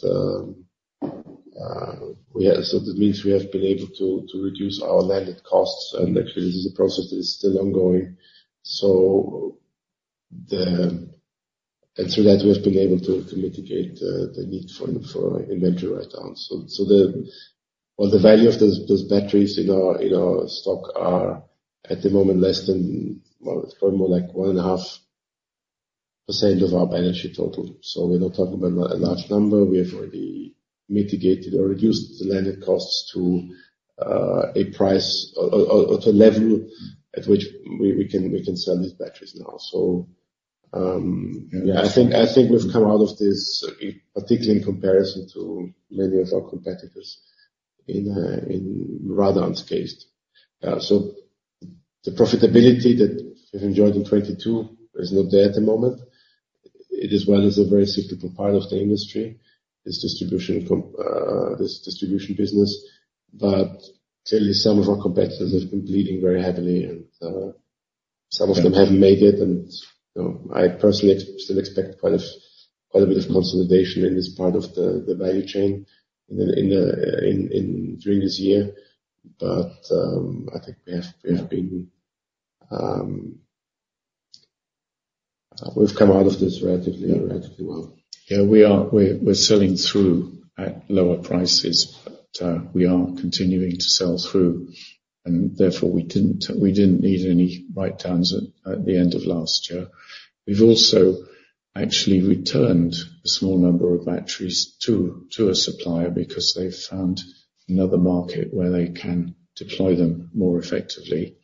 A: we have, so that means we have been able to reduce our landed costs, and actually, this is a process that is still ongoing. So the, and through that, we have been able to mitigate the need for inventory write-downs. So the... Well, the value of those batteries in our stock are, at the moment, less than, well, it's probably more like 1.5% of our balance sheet total. So we're not talking about a large number. We have already mitigated or reduced the landed costs to a price or to a level at which we can sell these batteries now. So, yeah, I think we've come out of this, particularly in comparison to many of our competitors in rather unscathed. So the profitability that we've enjoyed in 2022 is not there at the moment. It is well, it's a very cyclical part of the industry, this distribution business. But clearly, some of our competitors have been bleeding very heavily, and some of them haven't made it, and, you know, I personally still expect quite a bit of consolidation in this part of the value chain during this year. But I think we have come out of this relatively well.
B: Yeah, we are. We're selling through at lower prices, but we are continuing to sell through, and therefore, we didn't need any write-downs at the end of last year. We've also actually returned a small number of batteries to a supplier because they've found another market where they can deploy them more effectively.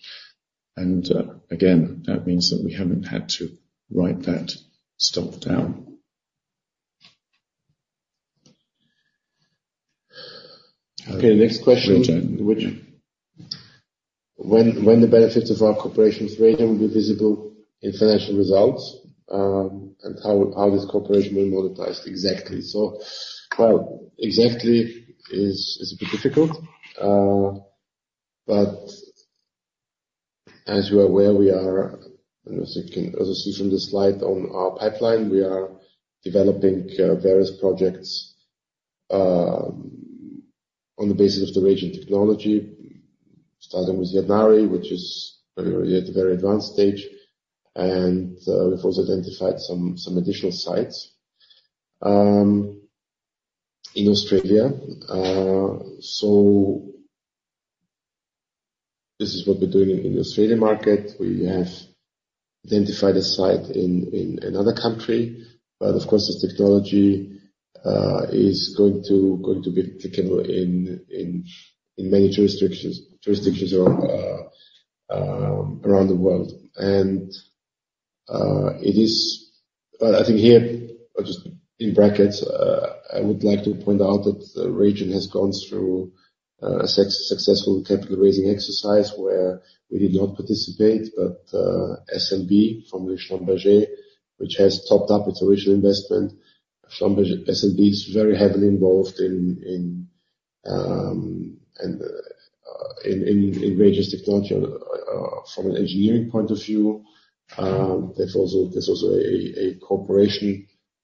B: And again, that means that we haven't had to write that stock down.
A: Okay, next question.
B: Real time.
A: When the benefits of our cooperation with RayGen will be visible in financial results, and how this cooperation will be monetized exactly? So, well, exactly is a bit difficult, but as you are aware, we are and as you can also see from the slide on our pipeline, we are developing various projects on the basis of the RayGen technology, starting with Yadnarie, which is at a very advanced stage, and we've also identified some additional sites in Australia. So this is what we're doing in the Australian market. We have identified a site in another country, but of course, this technology is going to be applicable in many jurisdictions around the world. And, it is, I think here, or just in brackets, I would like to point out that RayGen has gone through a successful capital raising exercise where we did not participate, but SLB from Schlumberger, which has topped up its original investment. Schlumberger SLB is very heavily involved in RayGen's technology from an engineering point of view. There's also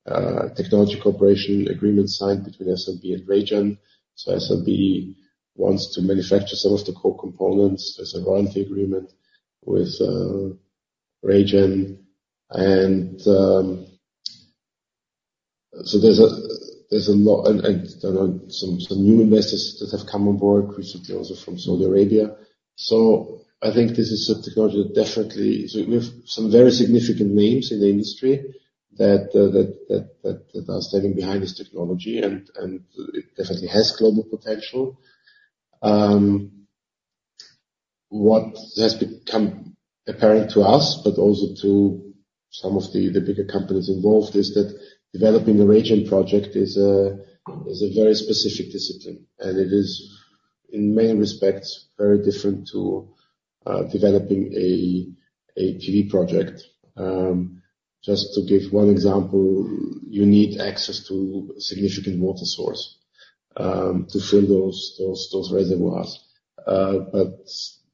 A: a technology cooperation agreement signed between SLB and RayGen. So SLB wants to manufacture some of the core components. There's a warranty agreement with RayGen, and so there's a lot, and there are some new investors that have come on board, recently also from Saudi Arabia. So I think this is a technology that definitely so we have some very significant names in the industry that are standing behind this technology, and it definitely has global potential. What has become apparent to us, but also to some of the bigger companies involved, is that developing a RayGen project is a very specific discipline, and it is, in many respects, very different to developing a PV project. Just to give one example, you need access to significant water source to fill those reservoirs. But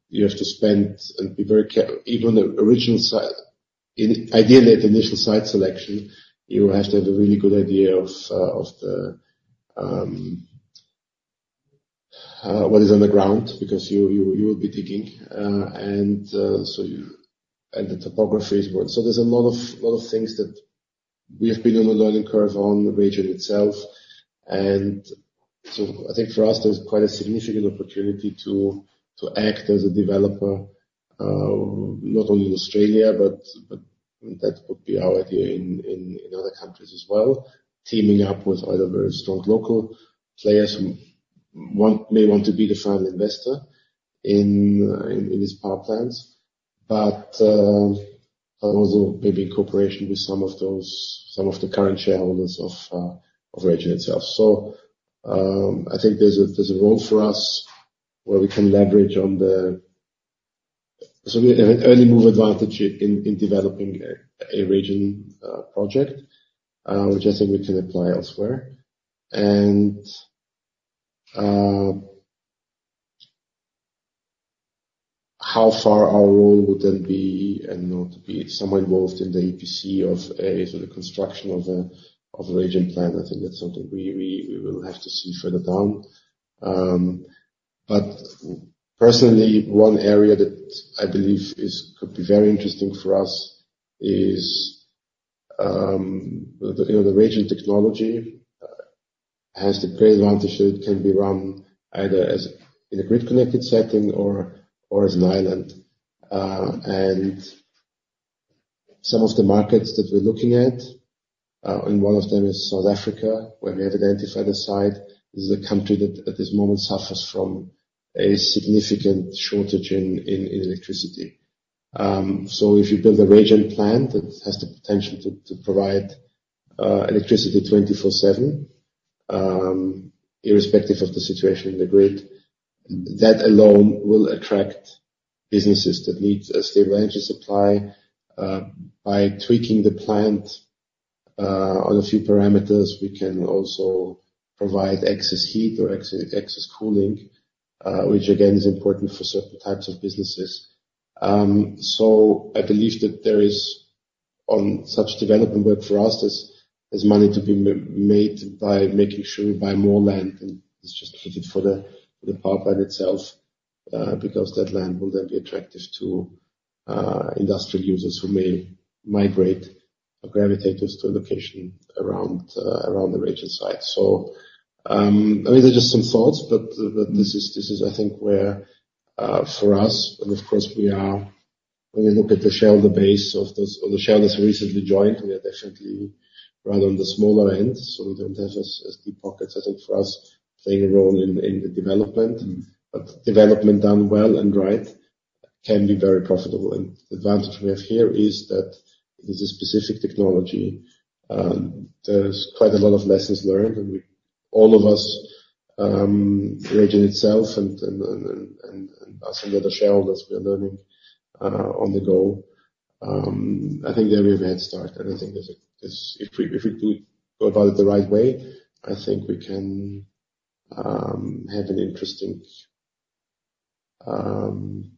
A: you have to spend and be very careful even the original site in ideally, at initial site selection, you have to have a really good idea of what is on the ground, because you will be digging, and so you. And the topography as well. So there's a lot of things that we have been on a learning curve on the RayGen itself. And so I think for us, there's quite a significant opportunity to act as a developer, not only in Australia, but that would be our idea in other countries as well. Teaming up with other very strong local players who may want to be the final investor in these power plants. But, also maybe in cooperation with some of those, some of the current shareholders of RayGen itself. So, I think there's a role for us, where we can leverage on the, so we have an early mover advantage in developing a RayGen project, which I think we can apply elsewhere. And, how far our role would then be, and not be somewhat involved in the EPC of a sort of construction of a RayGen plant. I think that's something we will have to see further down. But personally, one area that I believe could be very interesting for us is the RayGen technology, you know, has the great advantage that it can be run either as in a grid-connected setting or as an island. And some of the markets that we're looking at, and one of them is South Africa, where we have identified a site, is a country that at this moment suffers from a significant shortage in electricity. So if you build a RayGen plant that has the potential to provide electricity 24/7, irrespective of the situation in the grid, that alone will attract businesses that need a stable energy supply. By tweaking the plant on a few parameters, we can also provide excess heat or excess cooling, which again, is important for certain types of businesses. So I believe that there is one such development work for us, as money to be made by making sure we buy more land, and it's just for the power plant itself, because that land will then be attractive to industrial users who may migrate or gravitate to a location around the region site. So, I mean, there are just some thoughts, but this is, I think, where for us, and of course, we are when we look at the shareholder base of those of the shareholders who recently joined, we are definitely right on the smaller end. So we don't have as deep pockets, I think, for us playing a role in the development. But development done well and right can be very profitable. The advantage we have here is that there's a specific technology, and there's quite a lot of lessons learned, and we, all of us, RayGen itself and us and the other shareholders, we are learning on the go. I think there we have a head start, and I think there's, if we, if we do go about it the right way, I think we can have an interesting, I don't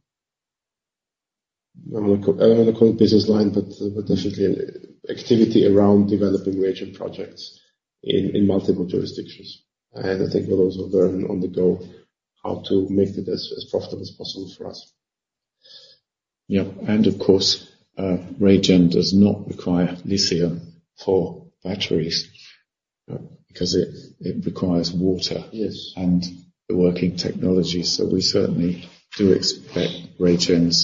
A: want to call it business line, but definitely an activity around developing RayGen projects in multiple jurisdictions. I think we'll also learn on the go how to make it as profitable as possible for us.
B: Yeah, and of course, RayGen does not require lithium for batteries, because it requires water-
A: Yes.
B: and working technology. So we certainly do expect RayGen's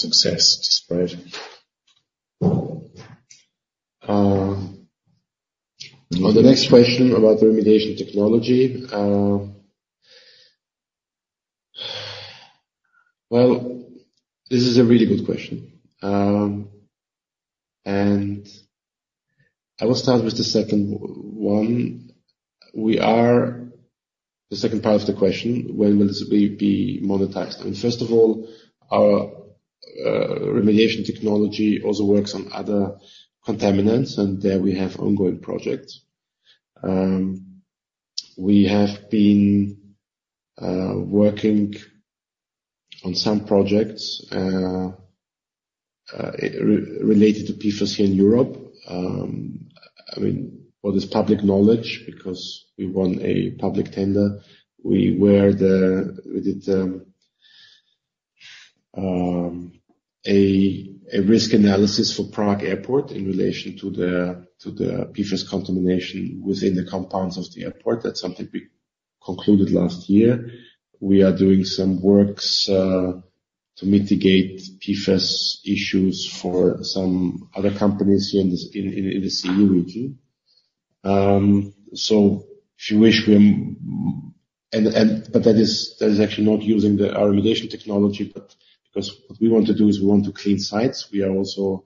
B: success to spread.
A: On the next question about the remediation technology, well, this is a really good question. And I will start with the second one. We are the second part of the question, when will this be monetized? And first of all, our remediation technology also works on other contaminants, and there we have ongoing projects. We have been working on some projects related to PFAS here in Europe. I mean, all this public knowledge, because we won a public tender, we did a risk analysis for Prague Airport in relation to the PFAS contamination within the compounds of the airport. That's something we concluded last year. We are doing some works to mitigate PFAS issues for some other companies here in the CEU region. So if you wish, but that is actually not using our remediation technology, but because what we want to do is we want to clean sites. We are also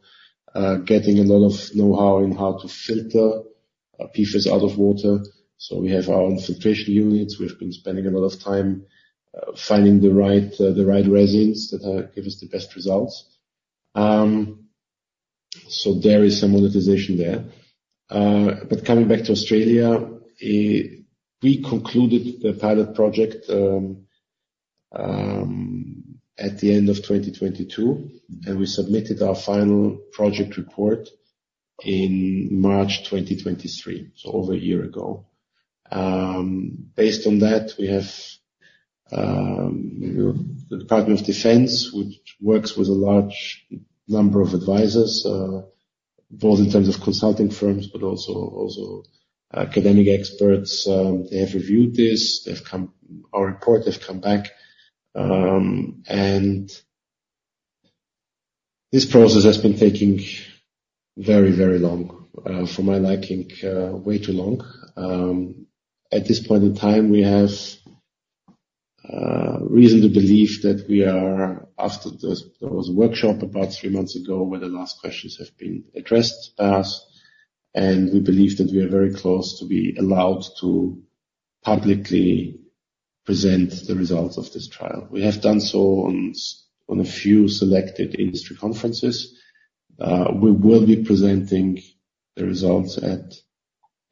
A: getting a lot of know-how in how to filter PFAS out of water. So we have our own filtration units. We've been spending a lot of time finding the right resins that give us the best results. So there is some monetization there. But coming back to Australia, we concluded the pilot project at the end of 2022, and we submitted our final project report in March 2023, so over a year ago. Based on that, we have the Department of Defence, which works with a large number of advisors, both in terms of consulting firms, but also academic experts. They have reviewed this. They've come back on our report. And this process has been taking very, very long for my liking, way too long. At this point in time, we have reason to believe that we are after this. There was a workshop about three months ago, where the last questions have been addressed to us, and we believe that we are very close to be allowed to publicly present the results of this trial. We have done so on a few selected industry conferences. We will be presenting the results at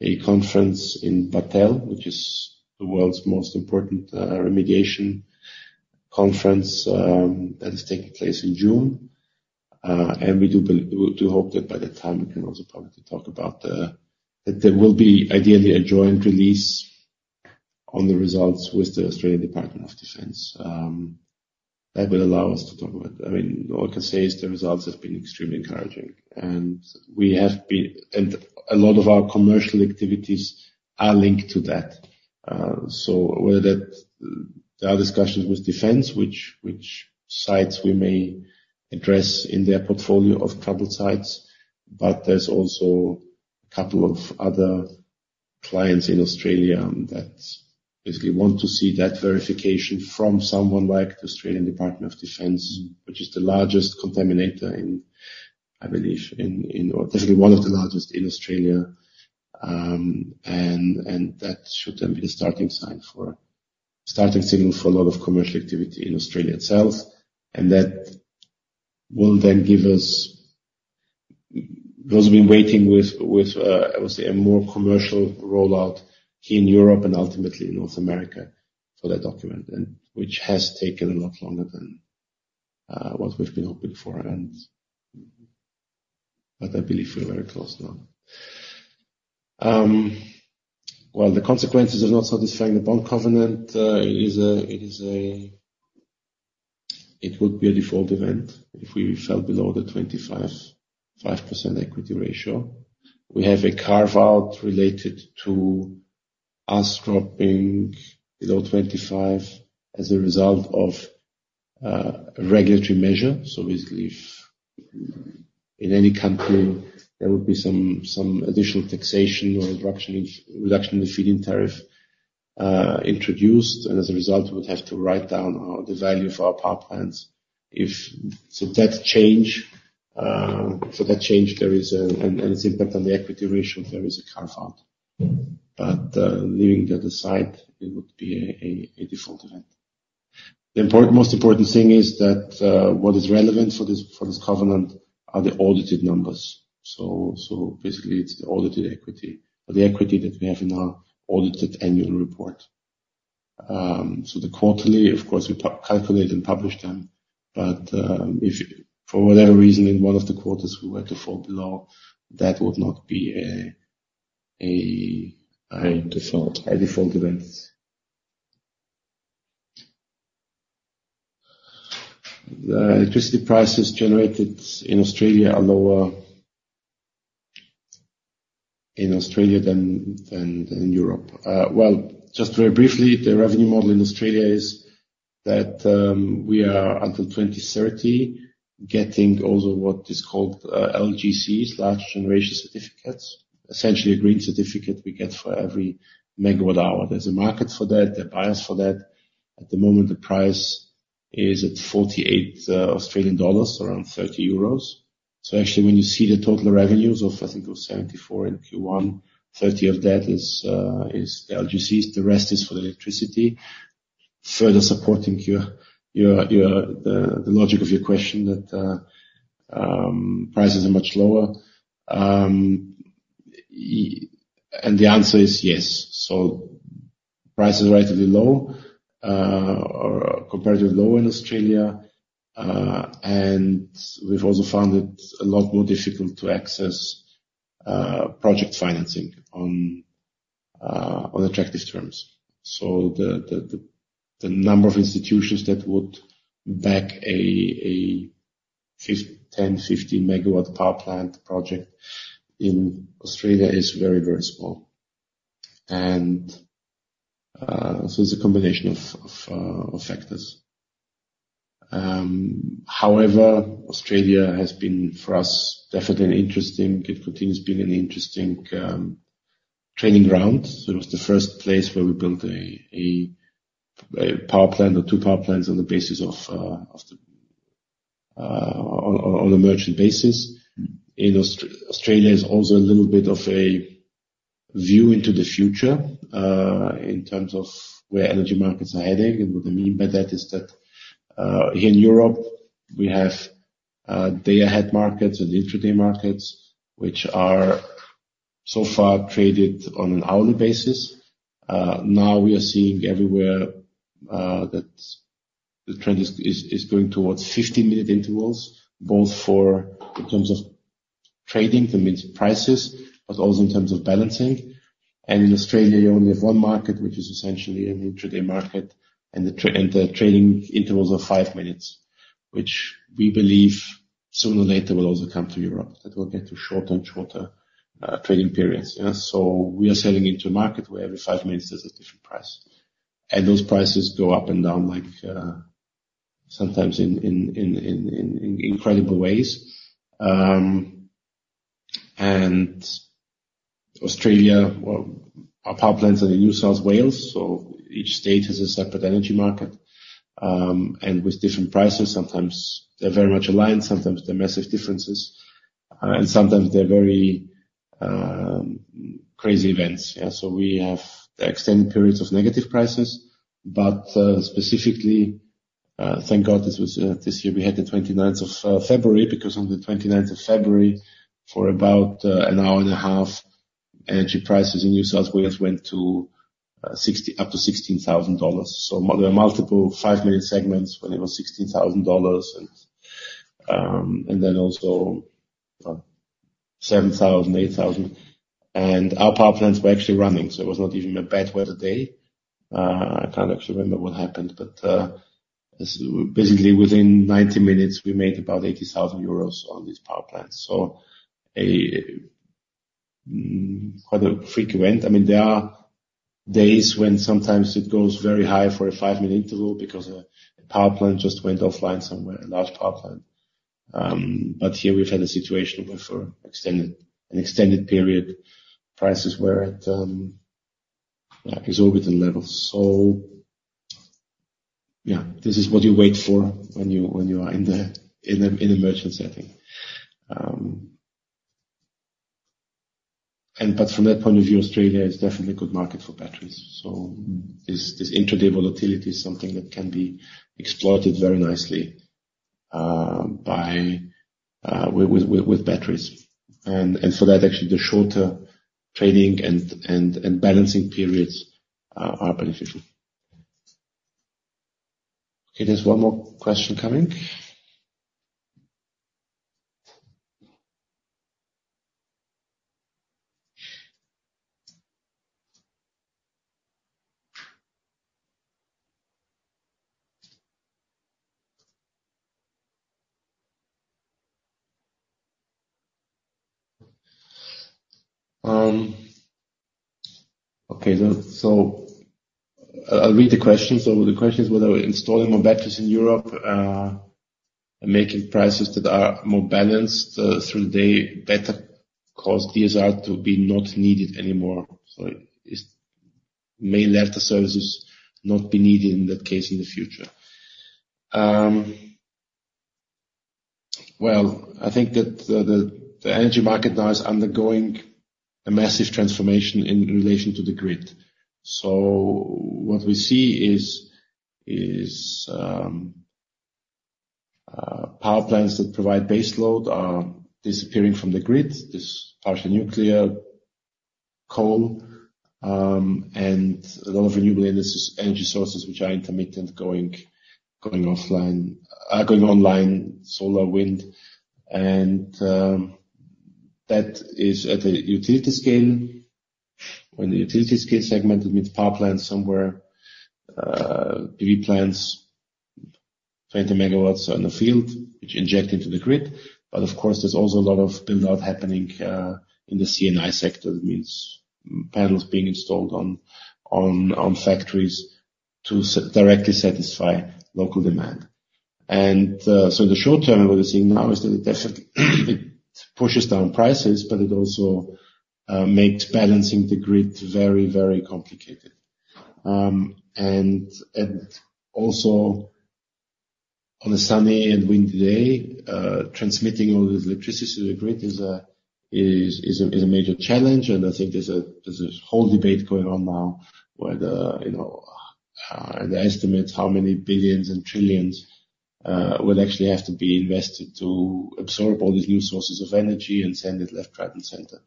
A: a conference in Battelle, which is the world's most important, remediation conference, that is taking place in June. And we do hope that by that time, we can also publicly talk about that there will be ideally a joint release on the results with the Australian Department of Defence. That will allow us to talk about it. I mean, all I can say is the results have been extremely encouraging, and a lot of our commercial activities are linked to that. So there are discussions with Defence which sites we may address in their portfolio of troubled sites, but there's also a couple of other clients in Australia that basically want to see that verification from someone like the Australian Department of Defence, which is the largest contaminator in, I believe, or definitely one of the largest in Australia. That should then be the starting signal for a lot of commercial activity in Australia itself, and that will then give us... Because we've been waiting with I would say a more commercial rollout here in Europe and ultimately North America for that document, which has taken a lot longer than what we've been hoping for, but I believe we're very close now. Well, the consequences of not satisfying the bond covenant is that it would be a default event if we fell below the 25.5% equity ratio. We have a carve-out related to us dropping below 25 as a result of regulatory measure. So basically, if in any country there would be some additional taxation or reduction in the Feed-in Tariff introduced, and as a result, we would have to write down the value of our power plants. If that change and its impact on the equity ratio, there is a carve-out. But leaving that aside, it would be a default event. The most important thing is that what is relevant for this covenant are the audited numbers. So, basically, it's the audited equity, or the equity that we have in our audited annual report. So the quarterly, of course, we calculate and publish them, but if for whatever reason, in one of the quarters, we were to fall below, that would not be a default event. The electricity prices generated in Australia are lower in Australia than in Europe. Well, just very briefly, the revenue model in Australia is that we are until 2030 getting also what is called LGCs, Large Generation Certificates, essentially a green certificate we get for every megawatt hour. There's a market for that, there are buyers for that. At the moment, the price is at 48 Australian dollars, around 30 euros. So actually, when you see the total revenues of, I think it was 74 in Q1, 30 of that is the LGCs, the rest is for the electricity. Further supporting your the logic of your question, that prices are much lower. And the answer is yes. So prices are relatively low, or comparatively low in Australia, and we've also found it a lot more difficult to access project financing on attractive terms. So the number of institutions that would back a 15 MW power plant project in Australia is very, very small. And so it's a combination of factors. However, Australia has been, for us, definitely an interesting, it continues to be an interesting training ground. So it was the first place where we built a power plant or two power plants on the basis of on a merchant basis. In Australia is also a little bit of a view into the future, in terms of where energy markets are heading. And what I mean by that is that, here in Europe, we have day-ahead markets and intraday markets, which are so far traded on an hourly basis. Now we are seeing everywhere, that the trend is going towards 50-minute intervals, both in terms of trading, the minute prices, but also in terms of balancing. And in Australia, you only have one market, which is essentially an intraday market, and the trading intervals are 5 minutes, which we believe sooner or later will also come to Europe. It will get to shorter and shorter trading periods. Yeah, so we are selling into a market where every five minutes there's a different price. And those prices go up and down, like, sometimes in incredible ways. And Australia, well, our power plants are in New South Wales, so each state has a separate energy market, and with different prices, sometimes they're very much aligned, sometimes they're massive differences, and sometimes they're very crazy events. Yeah, so we have extended periods of negative prices, but, specifically, thank God, this was, this year we had the 29th of February, because on the 29th of February, for about an hour and a half, energy prices in New South Wales went to 60 up to 16,000 dollars. So there were multiple five-minute segments when it was $16,000, and then also $7,000, $8,000, and our power plants were actually running, so it was not even a bad weather day. I can't actually remember what happened, but basically, within 90 minutes, we made about 80,000 euros on these power plants. So quite a frequent. I mean, there are days when sometimes it goes very high for a five-minute interval because a power plant just went offline somewhere, a large power plant. But here we've had a situation where for an extended period, prices were at like exorbitant levels. So yeah, this is what you wait for when you are in a merchant setting. But from that point of view, Australia is definitely a good market for batteries. So this intraday volatility is something that can be exploited very nicely with batteries. And for that, actually, the shorter trading and balancing periods are beneficial. Okay, there's one more question coming. Okay, so I'll read the question. So the question is whether installing more batteries in Europe making prices that are more balanced through the day better cause DSR to be not needed anymore. So is may let the services not be needed in that case in the future? Well, I think that the energy market now is undergoing a massive transformation in relation to the grid. So what we see is power plants that provide baseload are disappearing from the grid, this partial nuclear coal, and a lot of renewable energy sources, which are intermittent, going offline, going online, solar, wind, and that is at a utility scale. When the utility scale segmented with power plants somewhere, 3 plants, 20 MW on the field, which inject into the grid. But of course, there's also a lot of build-out happening in the C&I sector. It means panels being installed on factories to directly satisfy local demand. So the short term, what we're seeing now is that it definitely pushes down prices, but it also makes balancing the grid very, very complicated. Also on a sunny and windy day, transmitting all this electricity to the grid is a major challenge, and I think there's a whole debate going on now where the, you know, the estimates, how many billions and trillions, will actually have to be invested to absorb all these new sources of energy and send it left, right, and center.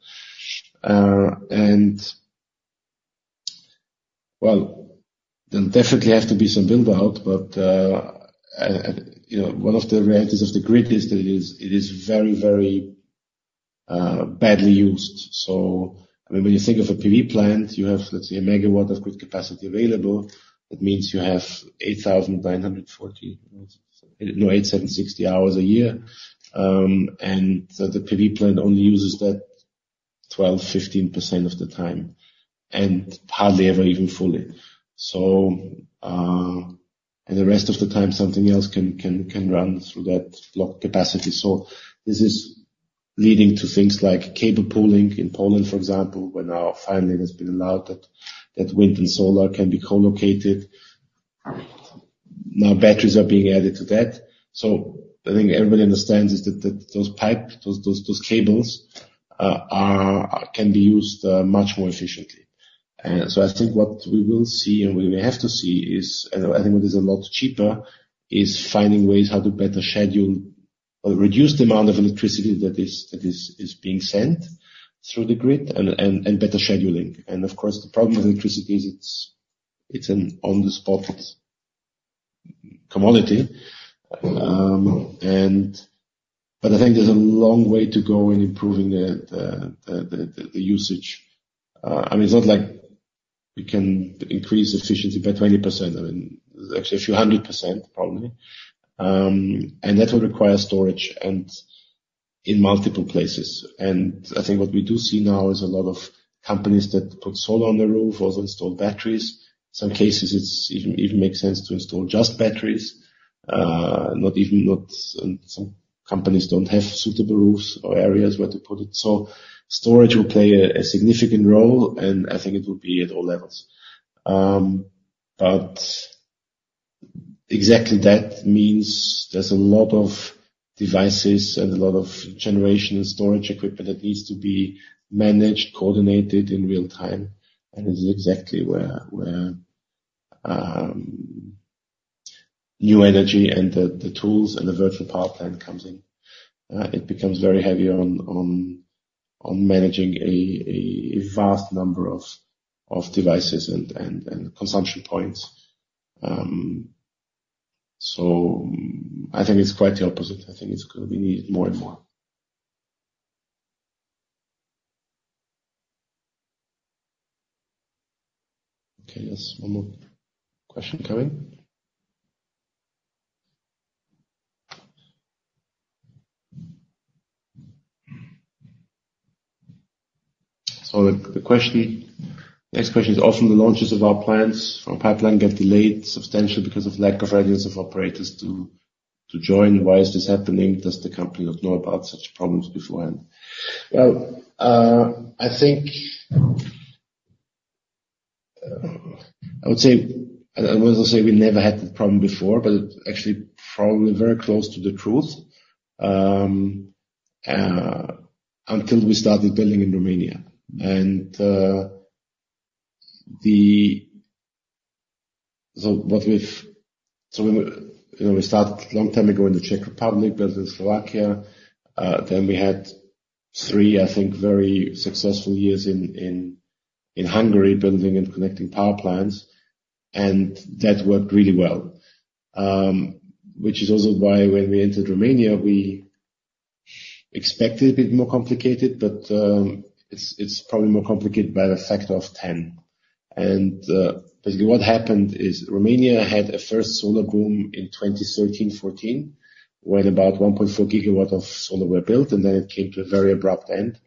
A: Well, there definitely have to be some build-out, but, you know, one of the realities of the grid is that it is very, very badly used. So I mean, when you think of a PV plant, you have, let's say, a megawatt of good capacity available. That means you have 8,760 hours a year. And the PV plant only uses that 12%-15% of the time, and hardly ever even fully. So, and the rest of the time, something else can run through that lock capacity. So this is leading to things like cable pooling. In Poland, for example, where now finally it has been allowed that wind and solar can be co-located. Now, batteries are being added to that. So I think everybody understands is that those pipes, those cables can be used much more efficiently. And so I think what we will see, and we may have to see, is, and I think it is a lot cheaper, is finding ways how to better schedule or reduce the amount of electricity that is being sent through the grid and better scheduling. Of course, the problem with electricity is it's an on-the-spot commodity. But I think there's a long way to go in improving the usage. I mean, it's not like we can increase efficiency by 20%. I mean, actually a few hundred percent, probably. And that will require storage in multiple places. I think what we do see now is a lot of companies that put solar on the roof also install batteries. Some cases, it even makes sense to install just batteries. Some companies don't have suitable roofs or areas where to put it. So storage will play a significant role, and I think it will be at all levels. But exactly that means there's a lot of devices and a lot of generation and storage equipment that needs to be managed, coordinated in real time, and this is exactly where new energy and the tools and the virtual power plant comes in. It becomes very heavy on managing a vast number of devices and consumption points. So I think it's quite the opposite. I think it's gonna be more and more. Okay, there's one more question coming. So the question, next question is: often the launches of our plants from pipeline get delayed substantially because of lack of readiness of operators to join. Why is this happening? Does the company not know about such problems beforehand? Well, I think I would say I wouldn't say we never had this problem before, but actually probably very close to the truth. Until we started building in Romania. So, you know, we started a long time ago in the Czech Republic, built in Slovakia, then we had three, I think, very successful years in Hungary, building and connecting power plants, and that worked really well. Which is also why when we entered Romania, we expected a bit more complicated, but it's probably more complicated by a factor of ten. Basically what happened is Romania had a first solar boom in 2013, 2014, where about 1.4 GW of solar were built, and then it came to a very abrupt end.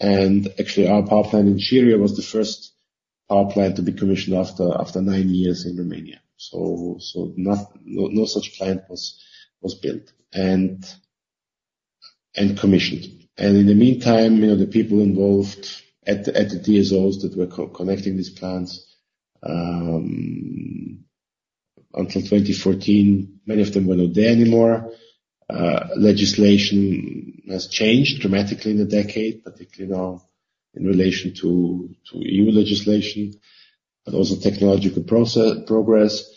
A: And actually, our power plant in Siria was the first power plant to be commissioned after 9 years in Romania. So no such plant was built and commissioned. And in the meantime, you know, the people involved at the DSOs that were co-connecting these plants until 2014, many of them were not there anymore. Legislation has changed dramatically in a decade, particularly now in relation to EU legislation, but also technological progress.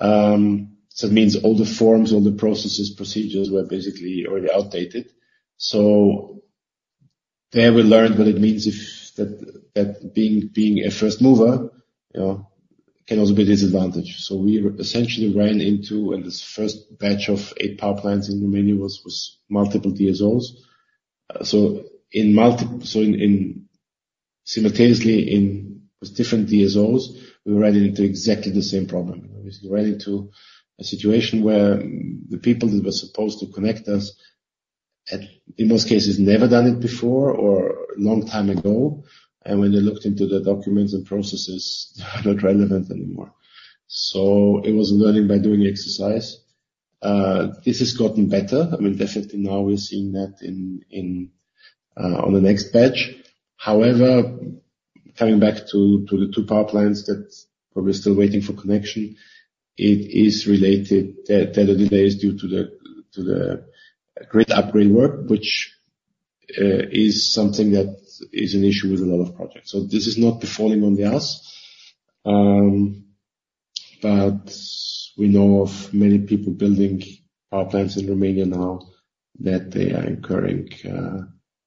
A: So it means all the forms, all the processes, procedures were basically already outdated. So there we learned what it means if that being a first mover, you know, can also be a disadvantage. So we essentially ran into, and this first batch of 8 power plants in Romania was multiple DSOs. So in multiple... So simultaneously with different DSOs, we ran into exactly the same problem. We ran into a situation where the people that were supposed to connect us had, in most cases, never done it before or a long time ago, and when they looked into the documents and processes, not relevant anymore. So it was a learning by doing exercise. This has gotten better. I mean, definitely now we're seeing that in on the next batch. However, coming back to the two power plants that we're still waiting for connection, it is related. There are delays due to the grid upgrade work, which is something that is an issue with a lot of projects. So this is not defaulting on the us, but we know of many people building power plants in Romania now, that they are incurring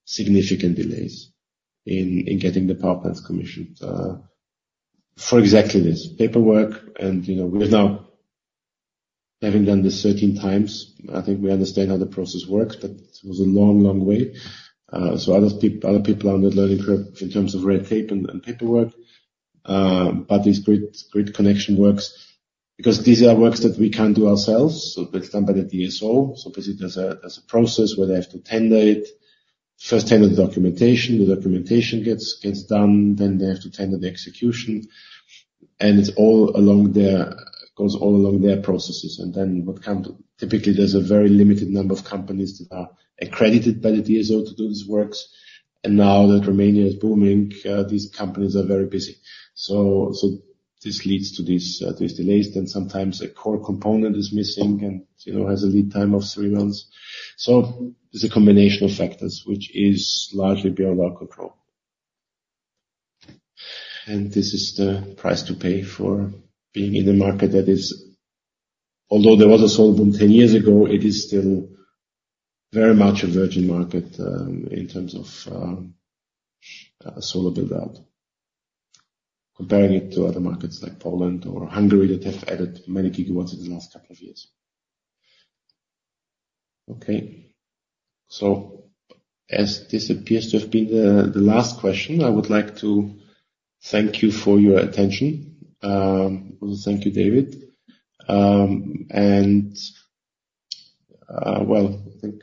A: significant delays in getting the power plants commissioned. For exactly this, paperwork and, you know, we've now having done this 13 times, I think we understand how the process works, but it was a long, long way. So other people are on learning curve in terms of red tape and, and paperwork, but these grid connection works. Because these are works that we can't do ourselves, so it's done by the DSO. So basically, there's a process where they have to tender it. First tender, the documentation. The documentation gets done, then they have to tender the execution, and it goes all along their processes, and then what come to. Typically, there's a very limited number of companies that are accredited by the DSO to do these works, and now that Romania is booming, these companies are very busy. So this leads to these delays, then sometimes a core component is missing and, you know, has a lead time of three months. So it's a combination of factors, which is largely beyond our control. And this is the price to pay for being in a market that is. Although there was a solar boom 10 years ago, it is still very much a virgin market, in terms of solar build-out, comparing it to other markets like Poland or Hungary, that have added many gigawatts in the last couple of years. Okay. So as this appears to have been the last question, I would like to thank you for your attention. Well, thank you, David. Well, I think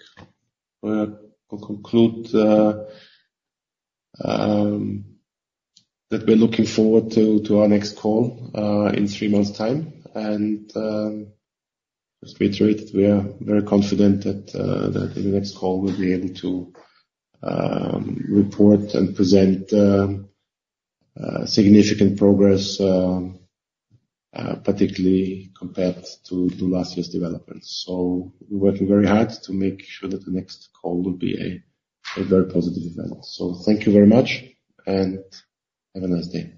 A: we'll conclude that we're looking forward to our next call in three months time. And just reiterate, we are very confident that in the next call we'll be able to report and present significant progress, particularly compared to last year's developments. So we're working very hard to make sure that the next call will be a very positive event. So thank you very much, and have a nice day.